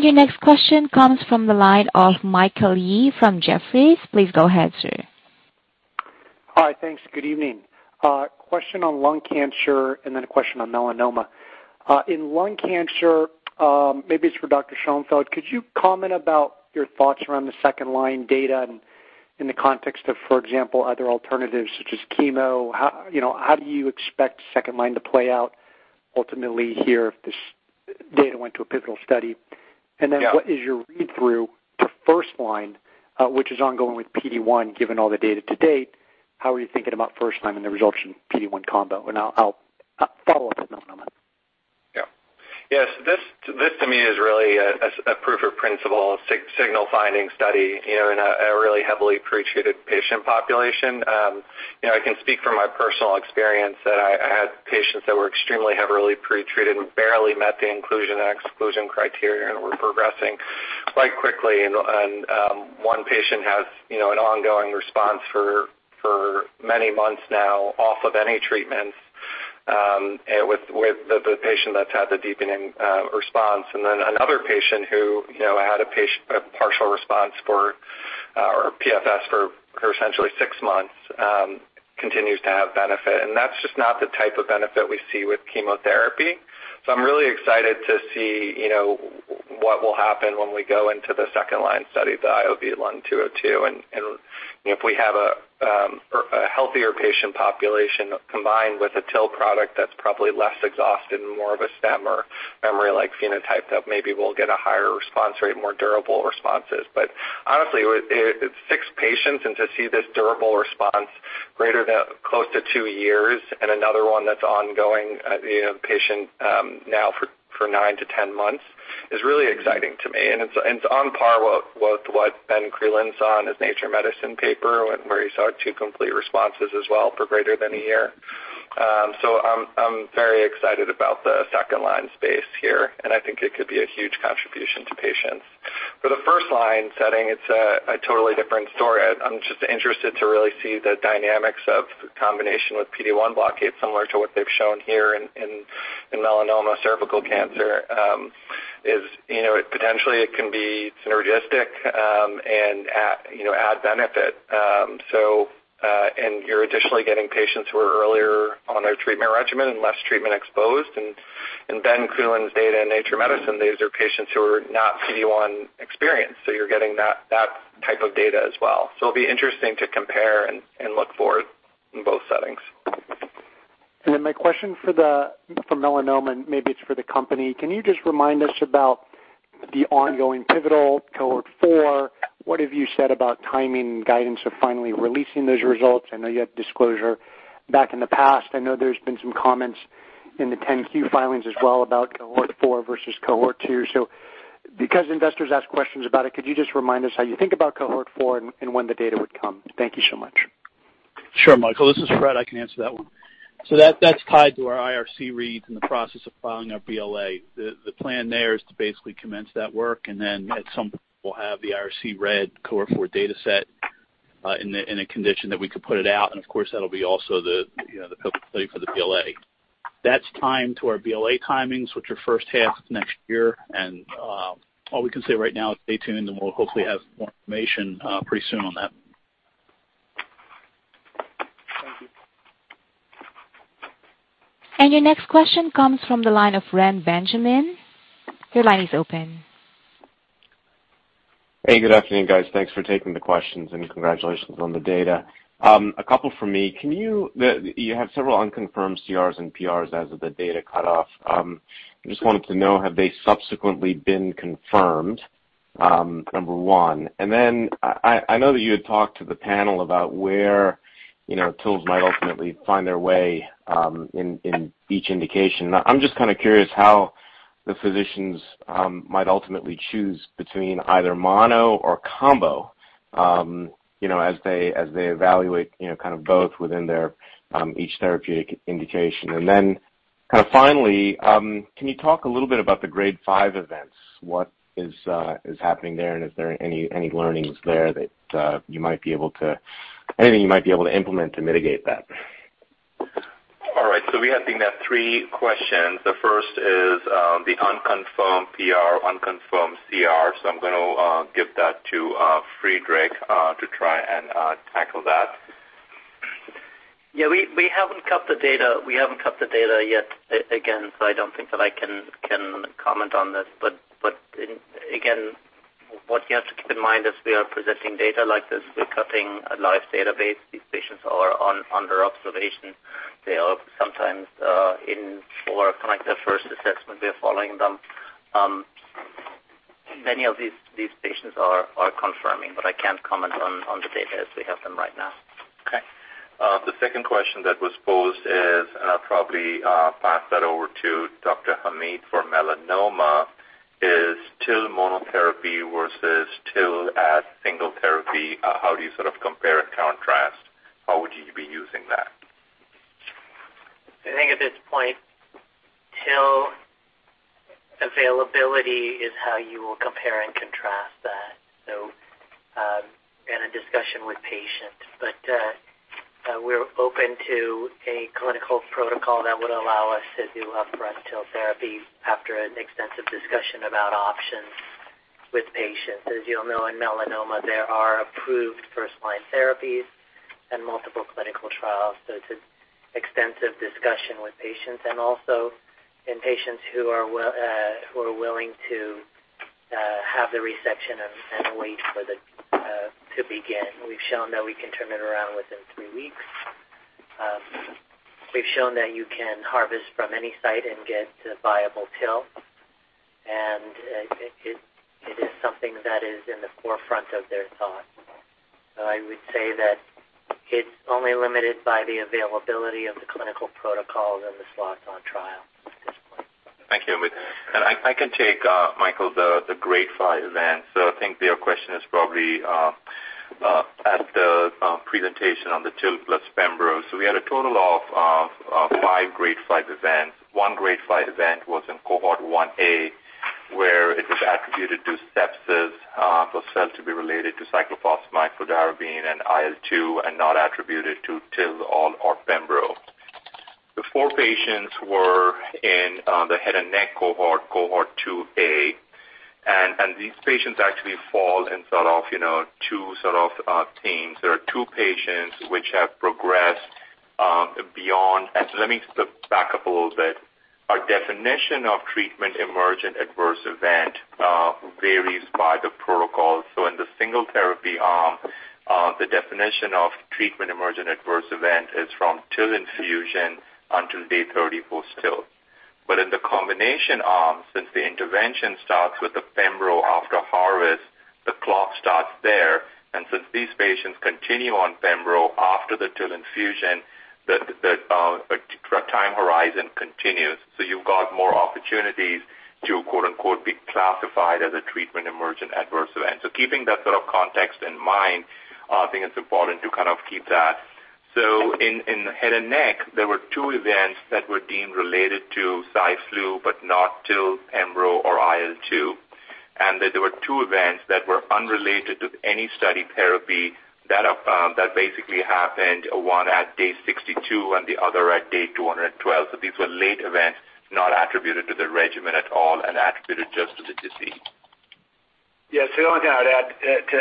Your next question comes from the line of Michael Yee from Jefferies. Please go ahead, sir. Hi. Thanks. Good evening. Question on lung cancer and then a question on melanoma. In lung cancer, maybe it's for Dr. Schoenfeld, could you comment about your thoughts around the second line data in the context of, for example, other alternatives such as chemo? How, you know, how do you expect second line to play out ultimately here if this data went to a pivotal study? Yeah. Then what is your read-through to first line, which is ongoing with PD-1, given all the data to date, how are you thinking about first line and the results from PD-1 combo? I'll follow up with melanoma. Yeah. Yes. This to me is really a proof of principle, a signal finding study, you know, in a really heavily pretreated patient population. You know, I can speak from my personal experience that I had patients that were extremely heavily pretreated and barely met the inclusion and exclusion criteria and were progressing quite quickly. One patient has, you know, an ongoing response for many months now off of any treatments, with the patient that's had the deepening response. Another patient who, you know, had a partial response for or PFS for essentially six months continues to have benefit. That's just not the type of benefit we see with chemotherapy. I'm really excited to see, you know, what will happen when we go into the second line study, the IOV-LUN-202. If we have a healthier patient population combined with a TIL product that's probably less exhausted and more of a stem or memory-like phenotype that maybe we'll get a higher response rate, more durable responses. But honestly, it's six patients, and to see this durable response greater than close to two years and another one that's ongoing, you know, patient now for nine to 10 months is really exciting to me. It's on par with what Ben Creelan saw in his Nature Medicine paper, where he saw two complete responses as well for greater than a year. I'm very excited about the second-line space here, and I think it could be a huge contribution to patients. For the first-line setting, it's a totally different story. I'm just interested to really see the dynamics of combination with PD-1 blockade, similar to what they've shown here in melanoma, cervical cancer. You know, potentially it can be synergistic, and you know, add benefit. You're additionally getting patients who are earlier on their treatment regimen and less treatment-exposed, and Ben Creelan's data in Nature Medicine, these are patients who are not PD-1-experienced, so you're getting that type of data as well. It'll be interesting to compare and look for in both settings. My question for the, for melanoma, and maybe it's for the company. Can you just remind us about the ongoing pivotal Cohort 4? What have you said about timing and guidance of finally releasing those results? I know you had disclosure back in the past. I know there's been some comments in the 10-Q filings as well about Cohort 4 versus Cohort 2. Because investors ask questions about it, could you just remind us how you think about Cohort 4 and when the data would come? Thank you so much. Sure, Michael, this is Fred. I can answer that one. That, that's tied to our IRC reads in the process of filing our BLA. The plan there is to basically commence that work and then at some point we'll have the IRC read Cohort four data set in a condition that we could put it out. Of course that'll be also the, you know, the play for the BLA. That's timed to our BLA timings, which are first half of next year. All we can say right now is stay tuned and we'll hopefully have more information pretty soon on that. Thank you. Your next question comes from the line of Reni Benjamin. Your line is open. Hey, good afternoon, guys. Thanks for taking the questions and congratulations on the data. A couple from me. You have several unconfirmed CRs and PRs as of the data cutoff. I just wanted to know, have they subsequently been confirmed? Number one. I know that you had talked to the panel about where, you know, TILs might ultimately find their way in each indication. I'm just kind of curious how the physicians might ultimately choose between either mono or combo, you know, as they evaluate, you know, kind of both within each therapeutic indication. Kind of finally, can you talk a little bit about the grade five events? What is happening there? Is there any learnings there that you might be able to. Anything you might be able to implement to mitigate that? All right. We have three questions. The first is, the unconfirmed PR, unconfirmed CR. I'm going to give that to Friedrich to try and tackle that. Yeah, we haven't cut the data. We haven't cut the data yet again, so I don't think that I can comment on this. Again, what you have to keep in mind as we are presenting data like this, we're cutting a live database. These patients are under observation. They are sometimes in for kind of their first assessment. We are following them. Many of these patients are confirming, but I can't comment on the data as we have them right now. Okay. The second question that was posed is, and I'll probably pass that over to Dr. Hamid for melanoma, is TIL monotherapy versus TIL as single therapy, how do you sort of compare and contrast? How would you be using that? I think at this point, TIL availability is how you will compare and contrast that and a discussion with patients. We're open to a clinical protocol that would allow us to do up front TIL therapy after an extensive discussion about options with patients. As you'll know, in melanoma, there are approved first line therapies and multiple clinical trials. It's an extensive discussion with patients and also in patients who are willing to have the resection and wait to begin. We've shown that we can turn it around within three weeks. We've shown that you can harvest from any site and get a viable TIL, and it is something that is in the forefront of their thoughts. I would say that it's only limited by the availability of the clinical protocols and the slots on trial at this point. Thank you, Omid. I can take, Michael, the Grade five event. I think their question is probably at the presentation on the TIL plus pembro. We had a total of five Grade five events. One Grade five event was in Cohort 1A, where it was attributed to sepsis, for sepsis to be related to cyclophosphamide, fludarabine, and IL-2, and not attributed to TIL or pembro. The four patients were in the head and neck cohort, Cohort 2A. These patients actually fall in sort of, you know, two sort of themes. There are two patients which have progressed beyond. Let me just back up a little bit. Our definition of treatment emergent adverse event varies by the protocol. In the single therapy arm, the definition of treatment emergent adverse event is from TIL infusion until day 30 post-TIL. In the combination arm, since the intervention starts with the pembro after harvest, the clock starts there. Since these patients continue on pembro after the TIL infusion, the time horizon continues. You've got more opportunities to quote-unquote, "be classified as a treatment emergent adverse event." Keeping that sort of context in mind, I think it's important to kind of keep that. In the head and neck, there were two events that were deemed related to Cy/Flu, but not TIL, pembro, or IL-2, and that there were two events that were unrelated to any study therapy that basically happened one at day 62 and the other at day 212. These were late events not attributed to the regimen at all and attributed just to the disease. Yeah. The only thing I would add to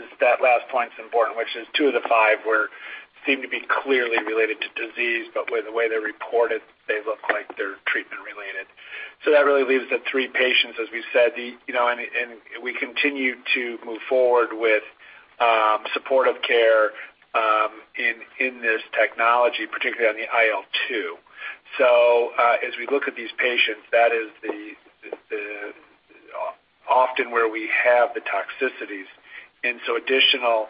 is that last point's important, which is two of the five seemed to be clearly related to disease, but with the way they're reported, they look like they're treatment related. That really leaves the three patients, as we said, you know, and we continue to move forward with supportive care in this technology, particularly on the IL-2. As we look at these patients, that is often where we have the toxicities. Additional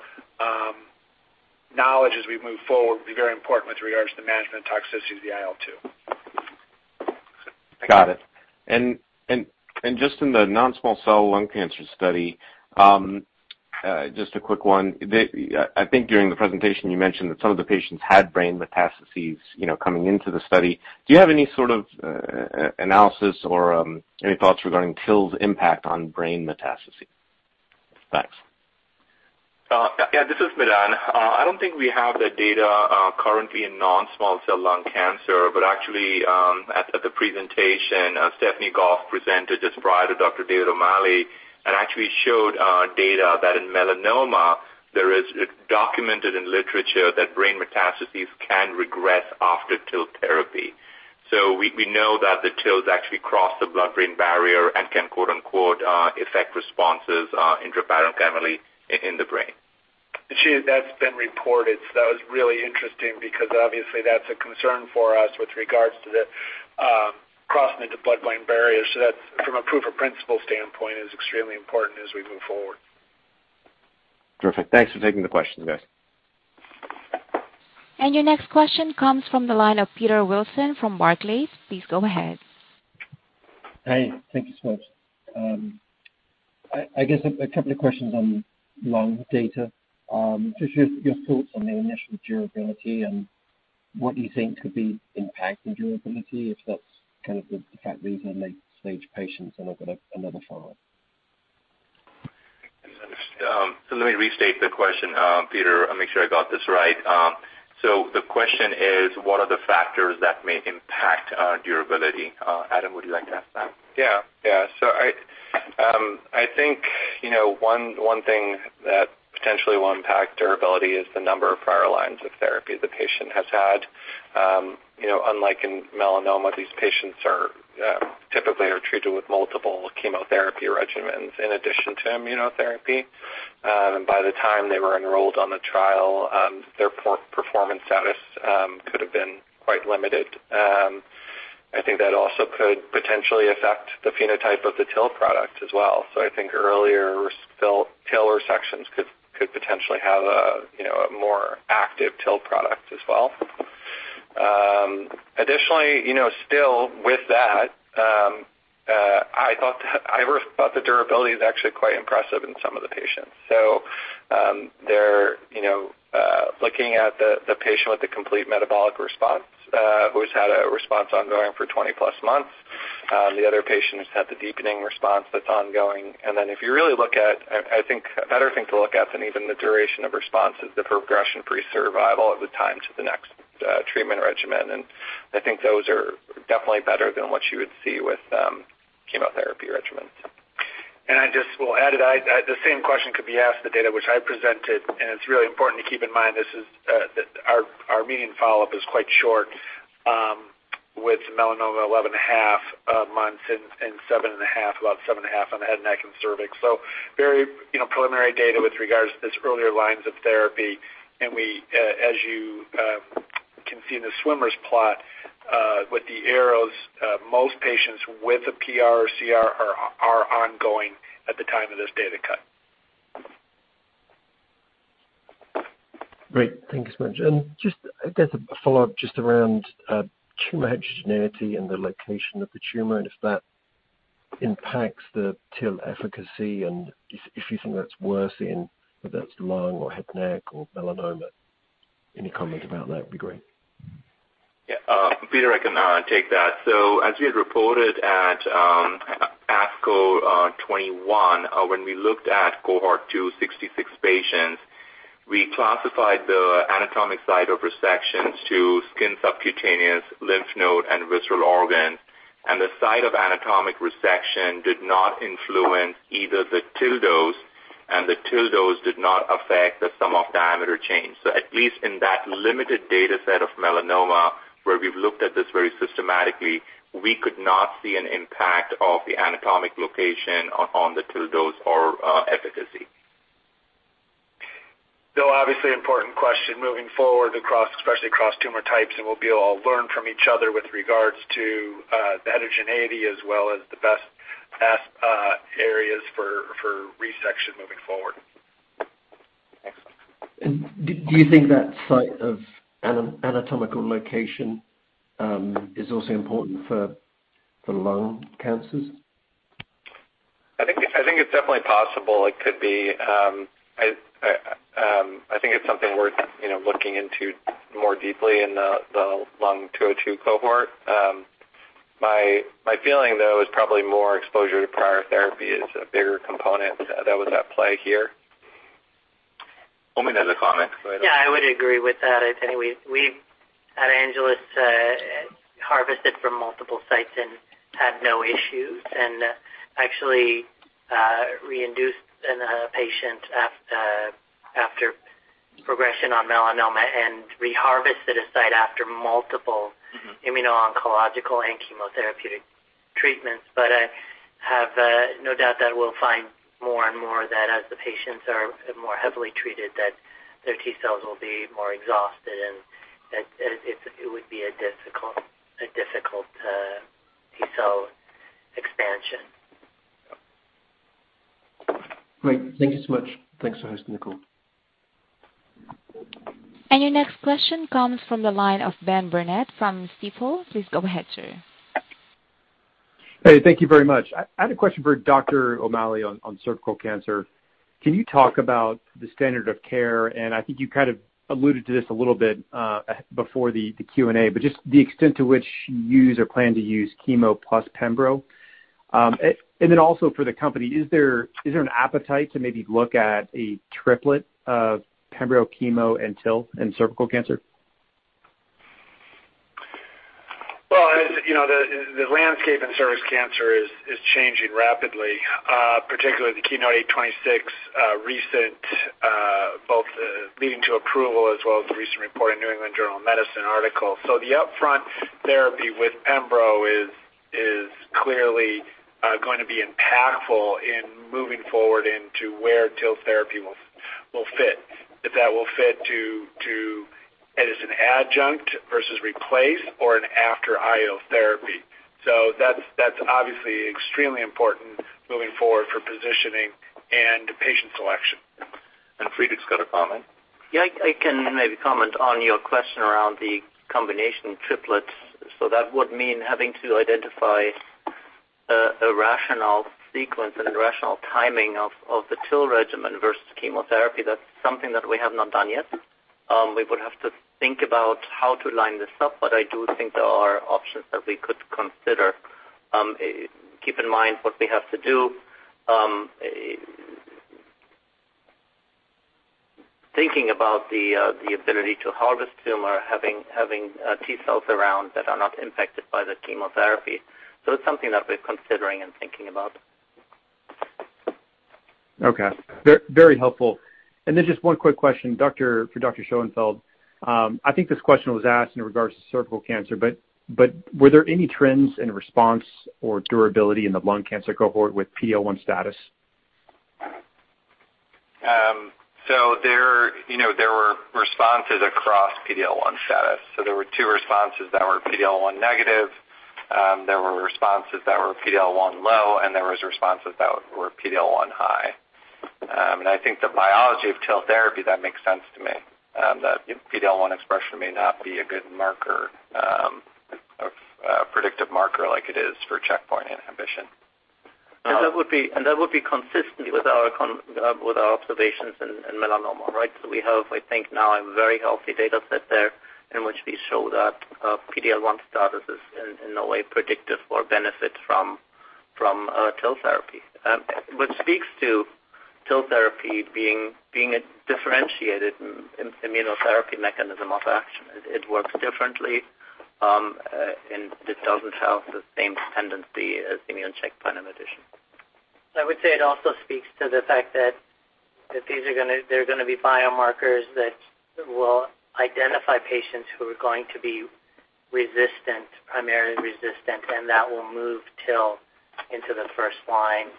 knowledge as we move forward will be very important with regards to the management of toxicity of the IL-2. Got it. Just in the non-small cell lung cancer study, just a quick one. I think during the presentation you mentioned that some of the patients had brain metastases, you know, coming into the study. Do you have any sort of analysis or any thoughts regarding TIL's impact on brain metastases? Thanks. This is Madan Jagasia. I don't think we have the data currently in non-small cell lung cancer, but actually, at the presentation, Stephanie Goff presented just prior to Dr. David O'Malley and actually showed data that in melanoma there is documented in literature that brain metastases can regress after TIL therapy. We know that the TILs actually cross the blood-brain barrier and can quote-unquote "affect responses" intraparenchymal in the brain. That's been reported. That was really interesting because obviously that's a concern for us with regards to the crossing into blood-brain barriers. That's from a proof of principle standpoint is extremely important as we move forward. Perfect. Thanks for taking the question, guys. Your next question comes from the line of Peter Welford from Jefferies. Please go ahead. Hey, thank you so much. I guess a couple of questions on lung data. Just your thoughts on the initial durability and what you think could be impacting durability, if that's kind of the factor in late-stage patients and open up another follow-up. Let me restate the question, Peter, to make sure I got this right. The question is what are the factors that may impact durability? Adam, would you like to have that? I think one thing that potentially will impact durability is the number of prior lines of therapy the patient has had. You know, unlike in melanoma, these patients are typically treated with multiple chemotherapy regimens in addition to immunotherapy. By the time they were enrolled on the trial, their poor performance status could have been quite limited. I think that also could potentially affect the phenotype of the TIL product as well. I think earlier TIL resections could potentially have, you know, a more active TIL product as well. Additionally, you know, still with that, I thought the durability is actually quite impressive in some of the patients. They're, you know, looking at the patient with a complete metabolic response, who's had a response ongoing for 20-plus months. The other patient who's had the deepening response that's ongoing. If you really look at, I think a better thing to look at than even the duration of response is the progression-free survival at the time to the next treatment regimen. I think those are definitely better than what you would see with chemotherapy regimens. I just will add it. The same question could be asked, the data which I presented, and it's really important to keep in mind this is our median follow-up is quite short, with melanoma 11.5 months and 7.5, about 7.5 on head, neck, and cervix. Very, you know, preliminary data with regards to this earlier lines of therapy. We, as you can see in the swimmer plot, with the arrows, most patients with the PR or CR are ongoing at the time of this data cut. Great. Thanks much. Just, I guess, a follow-up just around tumor heterogeneity and the location of the tumor and if that impacts the TIL efficacy and if you think that's worse in whether it's lung or head, neck or melanoma. Any comment about that would be great. Yeah. Peter, I can take that. As we had reported at ASCO 2021, when we looked at Cohort 2 66 patients, we classified the anatomic site of resections to skin subcutaneous, lymph node, and visceral organs. The site of anatomic resection did not influence either the TIL dose, or the TIL dose did not affect the sum of diameter change. At least in that limited data set of melanomas where we've looked at this very systematically, we could not see an impact of the anatomic location on the TIL dose or efficacy. Obviously important question moving forward across, especially across tumor types, and we'll be able to learn from each other with regards to the heterogeneity as well as the best areas for resection moving forward. Excellent. Do you think that site of anatomical location is also important for lung cancers? I think it's definitely possible it could be. I think it's something worth, you know, looking into more deeply in the LUN-202 cohort. My feeling though is probably more exposure to prior therapy is a bigger component that was at play here. Omid has a comment. Go ahead. Yeah, I would agree with that. I think we've at Angeles harvested from multiple sites and had no issues and actually re-infused in a patient after progression on melanoma and reharvested a site after multiple- Mm-hmm. immuno-oncological and chemotherapeutic treatments. I have no doubt that we'll find more and more that as the patients are more heavily treated, that their T cells will be more exhausted and that it would be a difficult T cell Great. Thank you so much. Thanks for hosting the call. Your next question comes from the line of Benjamin Burnett from Stifel. Please go ahead, sir. Hey, thank you very much. I had a question for Dr. O'Malley on cervical cancer. Can you talk about the standard of care? I think your kind of alluded to this a little bit before the Q&A, but just the extent to which you use or plan to use chemo plus pembro. And then also for the company, is there an appetite to maybe look at a triplet of pembro chemo and TIL in cervical cancer? Well, as you know, the landscape in cervical cancer is changing rapidly, particularly the KEYNOTE-826, recent both leading to approval as well as the recent report in New England Journal of Medicine article. The upfront therapy with pembro is clearly going to be impactful in moving forward into where TIL therapy will fit. If that will fit to as an adjunct versus replace or an after IO therapy. That's obviously extremely important moving forward for positioning and patient selection. Friedrich's got a comment. Yeah. I can maybe comment on your question around the combination triplets. That would mean having to identify a rational sequence and a rational timing of the TIL regimen versus chemotherapy. That's something that we have not done yet. We would have to think about how to line this up, but I do think there are options that we could consider. Keep in mind what we have to do, thinking about the ability to harvest tumor, having T cells around that are not infected by the chemotherapy. It's something that we're considering and thinking about. Okay. Very helpful. Just one quick question, doctor, for Dr. Schoenfeld. I think this question was asked in regards to cervical cancer, but were there any trends in response or durability in the lung cancer cohort with PD-L1 status? You know, there were responses across PD-L1 status. There were two responses that were PD-L1 negative. There were responses that were PD-L1 low, and there was responses that were PD-L1 high. I think the biology of TIL therapy, that makes sense to me, that PD-L1 expression may not be a good marker, a predictive marker like it is for checkpoint inhibition. That would be consistent with our observations in melanoma, right? We have, I think now a very healthy data set there in which we show that PD-L1 status is in a way predictive for benefit from TIL therapy. Which speaks to TIL therapy being a differentiated immunotherapy mechanism of action. It works differently, and it doesn't have the same tendency as immune checkpoint inhibition. I would say it also speaks to the fact that these are going to be biomarkers that will identify patients who are going to be resistant, primarily resistant, and that will move TIL into the first line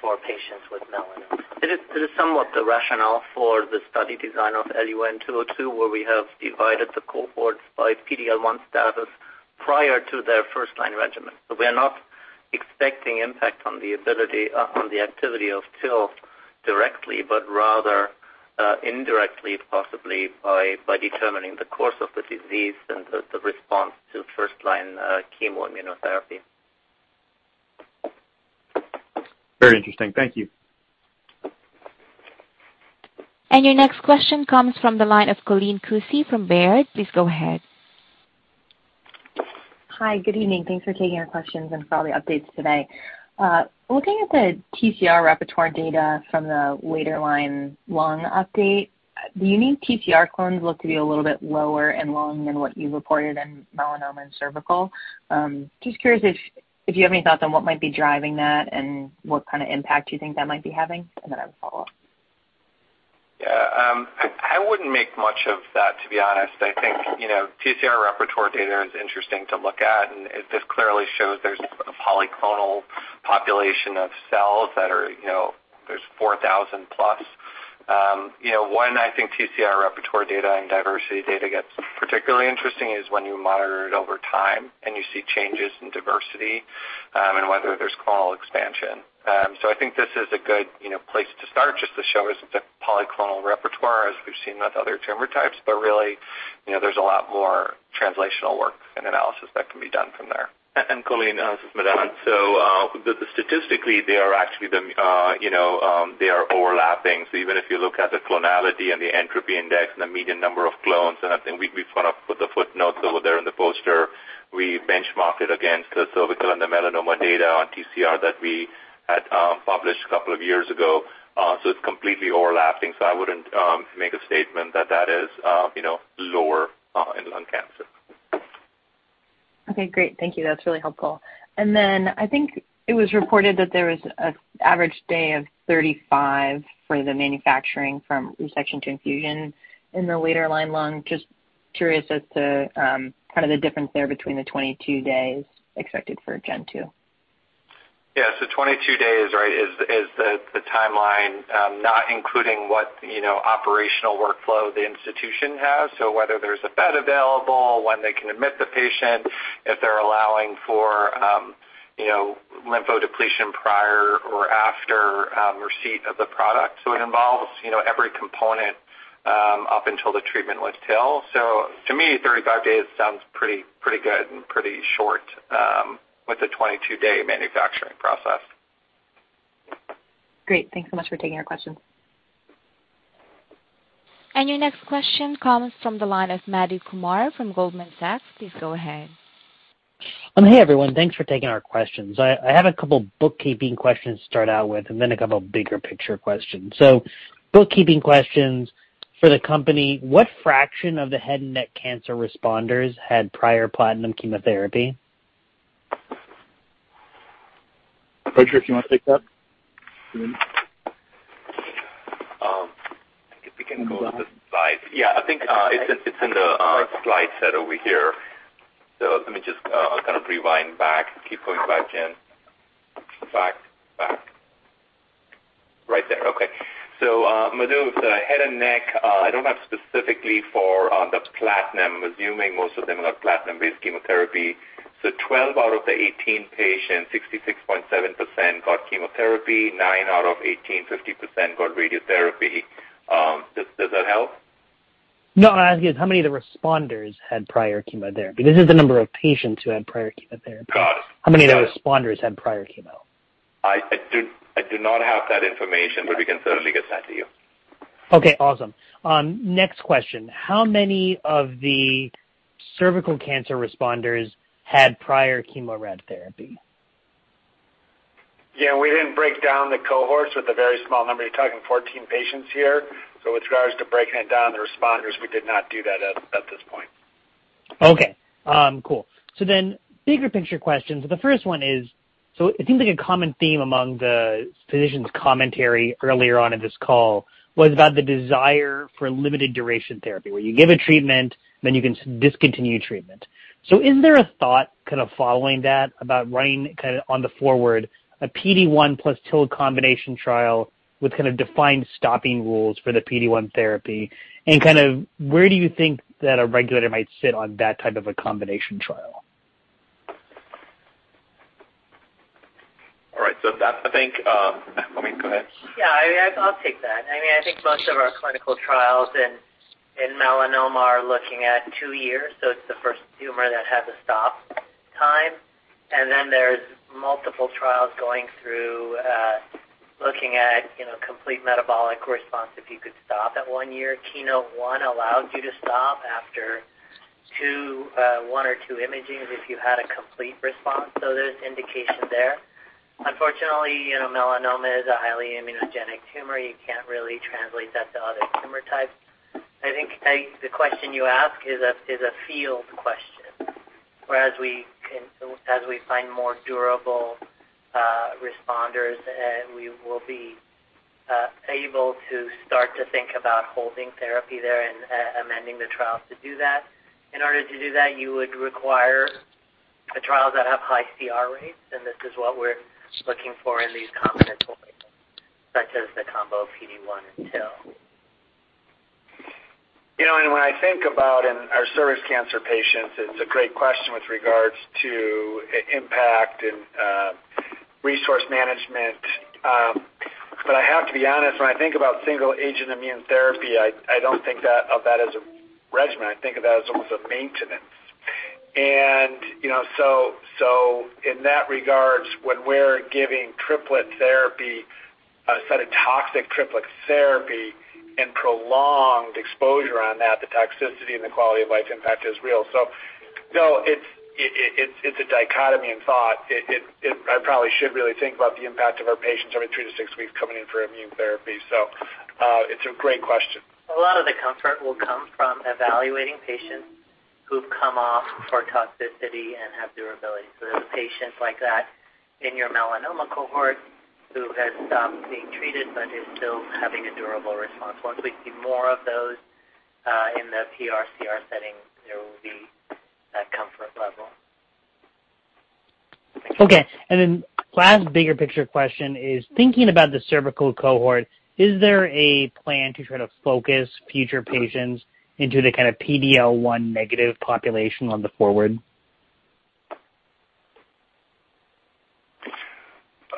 for patients with melanoma. It is somewhat the rationale for the study design of IOV-LUN-202, where we have divided the cohorts by PD-L1 status prior to their first-line regimen. We are not expecting impact on the ability on the activity of TIL directly, but rather indirectly, possibly by determining the course of the disease and the response to first-line chemo immunotherapy. Very interesting. Thank you. Your next question comes from the line of Colleen Kusy from Baird. Please go ahead. Hi. Good evening. Thanks for taking our questions and for all the updates today. Looking at the TCR repertoire data from the later line lung update, the unique TCR clones look to be a little bit lower in lung than what you reported in melanoma and cervical. Just curious if you have any thoughts on what might be driving that and what kind of impact you think that might be having? I have a follow-up. Yeah. I wouldn't make much of that, to be honest. I think, you know, TCR repertoire data is interesting to look at, and this clearly shows there's a polyclonal population of cells that are, you know, there's 4,000 plus. You know, when I think TCR repertoire data and diversity data gets particularly interesting is when you monitor it over time and you see changes in diversity, and whether there's clonal expansion. I think this is a good, you know, place to start just to show us the polyclonal repertoire as we've seen with other tumor types. Really, you know, there's a lot more translational work and analysis that can be done from there. Colleen, this is Madan. Statistically, they are actually you know, they are overlapping. Even if you look at the clonality and the entropy index and the median number of clones, and I think we sort of put the footnotes over there in the poster. We benchmarked it against the cervical and the melanoma data on TCR that we had published a couple of years ago. It's completely overlapping, so I wouldn't make a statement that that is you know, lower in lung cancer. Okay, great. Thank you. That's really helpful. I think it was reported that there was an average day of 35 for the manufacturing from resection to infusion in the later line lung. Just curious as to, kind of the difference there between the 22 days expected for Gen 2. Yeah. 22 days, right, is the timeline, not including what, you know, operational workflow the institution has. Whether there's a bed available, when they can admit the patient, if they're allowing for, You know, lymphodepletion prior or after receipt of the product. It involves, you know, every component up until the treatment with TIL. To me, 35 days sounds pretty good and pretty short with a 22-day manufacturing process. Great. Thanks so much for taking our questions. Your next question comes from the line of Madhu Kumar from Goldman Sachs. Please go ahead. Hey, everyone. Thanks for taking our questions. I have a couple bookkeeping questions to start out with and then a couple bigger picture questions. Bookkeeping questions for the company, what fraction of the head and neck cancer responders had prior platinum chemotherapy? Frederick, if you want to take that. I think we can go to the slide. I think it's in the slide set over here. Let me just I'll kind of rewind back and keep going back again. Back. Right there. Okay. Madhu, for the head and neck, I don't have specifically for the platinum. I'm assuming most of them are platinum-based chemotherapy. 12 out of the 18 patients, 66.7% got chemotherapy. nine out of 18, 50% got radiotherapy. Does that help? No. I'm asking how many of the responders had prior chemotherapy? This is the number of patients who had prior chemotherapy. Got it. How many of the responders had prior chemo? I do not have that information, but we can certainly get that to you. Okay, awesome. Next question. How many of the cervical cancer responders had prior chemo-rad-therapy? Yeah, we didn't break down the cohorts with a very small number. You're talking 14 patients here. With regards to breaking it down the responders, we did not do that at this point. Okay. Cool. Bigger picture questions. The first one is, so it seems like a common theme among the physicians' commentary earlier on in this call was about the desire for limited duration therapy, where you give a treatment, then you can discontinue treatment. Is there a thought kind of following that about running kind of going forward, a PD-1 plus TIL combination trial with kind of defined stopping rules for the PD-1 therapy? And kind of where do you think that a regulator might sit on that type of a combination trial? All right. That I think, I mean, go ahead. Yeah, I'll take that. I mean, I think most of our clinical trials in melanoma are looking at two years, so it's the first tumor that has a stop time. Then there's multiple trials going through, looking at, you know, complete metabolic response if you could stop at one year. KEYNOTE-001 allowed you to stop after two, one or two imaging if you had a complete response. So, there's indication there. Unfortunately, you know, melanoma is a highly immunogenic tumor. You can't really translate that to other tumor types. I think the question you ask is a field question, as we find more durable responders, we will be able to start to think about holding therapy there and amending the trials to do that. In order to do that, you would require the trials that have high CR rates, and this is what we're looking for in these combo studies, such as the combo PD-1 and TIL. You know, when I think about cervical cancer patients, it's a great question with regard to impact and resource management. But I have to be honest, when I think about single agent immune therapy, I don't think of that as a regimen. I think of that as almost a maintenance. In that regard, when we're giving triplet therapy, it's a set of toxic triplet therapy and prolonged exposure on that, the toxicity and the quality of life impact is real. No, it's a dichotomy in thought. I probably should really think about the impact of our patients every three to six weeks coming in for immune therapy. It's a great question. A lot of the comfort will come from evaluating patients who've come off for toxicity and have durability. There's patients like that in your melanoma cohort who has stopped being treated but is still having a durable response. Once we see more of those in the PRCR setting, there will be that comfort level. Okay. Last bigger picture question is thinking about the cervical cohort, is there a plan to try to focus future patients into the kind of PD-L1 negative population going forward?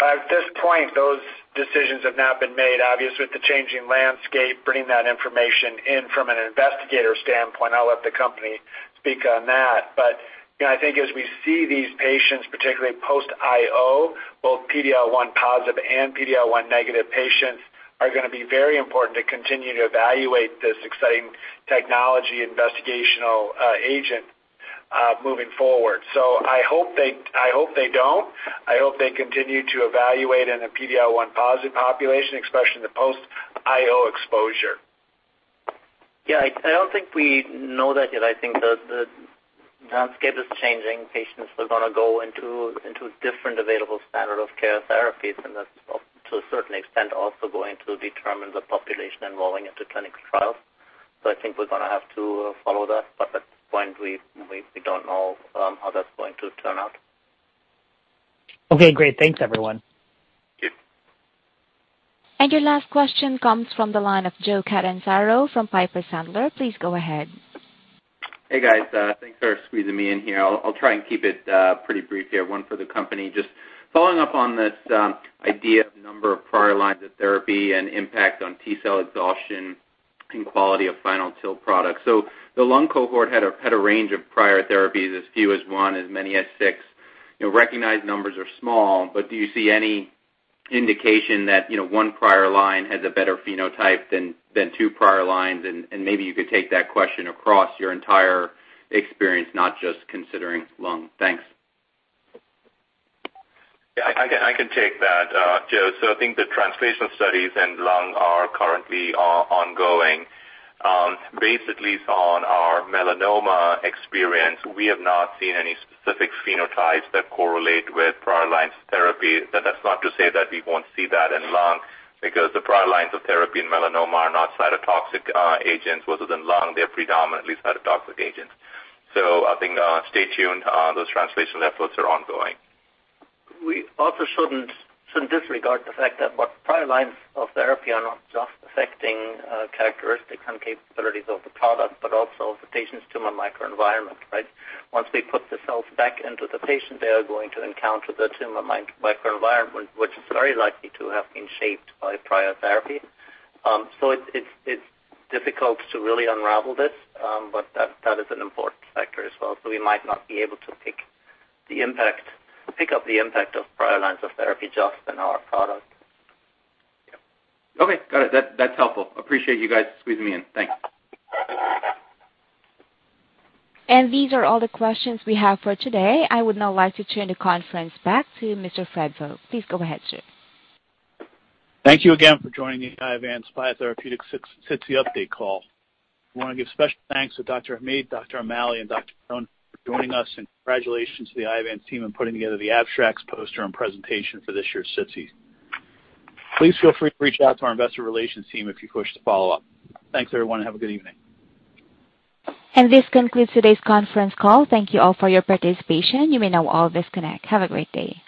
At this point, those decisions have not been made. Obviously, with the changing landscape, bringing that information in from an investigator standpoint, I'll let the company speak on that. You know, I think as we see these patients, particularly post-IO, both PD-L1-positive and PD-L1-negative patients are going to be very important to continue to evaluate this exciting technology investigational agent moving forward. I hope they don't. I hope they continue to evaluate in a PD-L1-positive population, especially in the post-IO exposure. Yeah. I don't think we know that yet. I think the landscape is changing. Patients are going to go into different available standard of care therapies, and that's, to a certain extent, also going to determine the population enrolling into clinical trials. I think we're going to have to follow that, but at this point we don't know how that's going to turn out. Okay, great. Thanks, everyone. Your last question comes from the line of Joseph Catanzaro from Piper Sandler. Please go ahead. Hey, guys. Thanks for squeezing me in here. I'll try and keep it pretty brief here. One for the company. Just following up on this idea of number of prior lines of therapy and impact on T-cell exhaustion and quality of final TIL product. The lung cohort had a range of prior therapies, as few as one, as many as six. You know, recognize numbers are small, but do you see any indication that, you know, one prior line has a better phenotype than two prior lines? Maybe you could take that question across your entire experience, not just considering lung. Thanks. Yeah, I can take that, Joe. I think the translational studies in lung are currently ongoing. Based at least on our melanoma experience, we have not seen any specific phenotypes that correlate with prior lines of therapy. That's not to say that we won't see that in lung because the prior lines of therapy in melanoma are not cytotoxic agents, whereas in lung they're predominantly cytotoxic agents. I think stay tuned. Those translational efforts are ongoing. We also shouldn't disregard the fact that what prior lines of therapy are not just affecting characteristics and capabilities of the product, but also the patient's tumor microenvironment, right? Once we put the cells back into the patient, they are going to encounter the tumor microenvironment, which is very likely to have been shaped by prior therapy. It's difficult to really unravel this, but that is an important factor as well. We might not be able to pick up the impact of prior lines of therapy just in our product. Yeah. Okay. Got it. That, that's helpful. Appreciate you guys squeezing me in. Thanks. These are all the questions we have for today. I would now like to turn the conference back to Mr. Fred Vogt. Please go ahead, sir. Thank you again for joining the Iovance Biotherapeutics SITC update call. I want to give special thanks to Dr. Omid Hamid, Dr. David O'Malley, and Dr. Adam J. Schoenfeld for joining us, and congratulations to the Iovance team in putting together the abstracts, poster, and presentation for this year's SITC. Please feel free to reach out to our investor relations team if you wish to follow up. Thanks, everyone, and have a good evening. This concludes today's conference call. Thank you all for your participation. You may now all disconnect. Have a great day.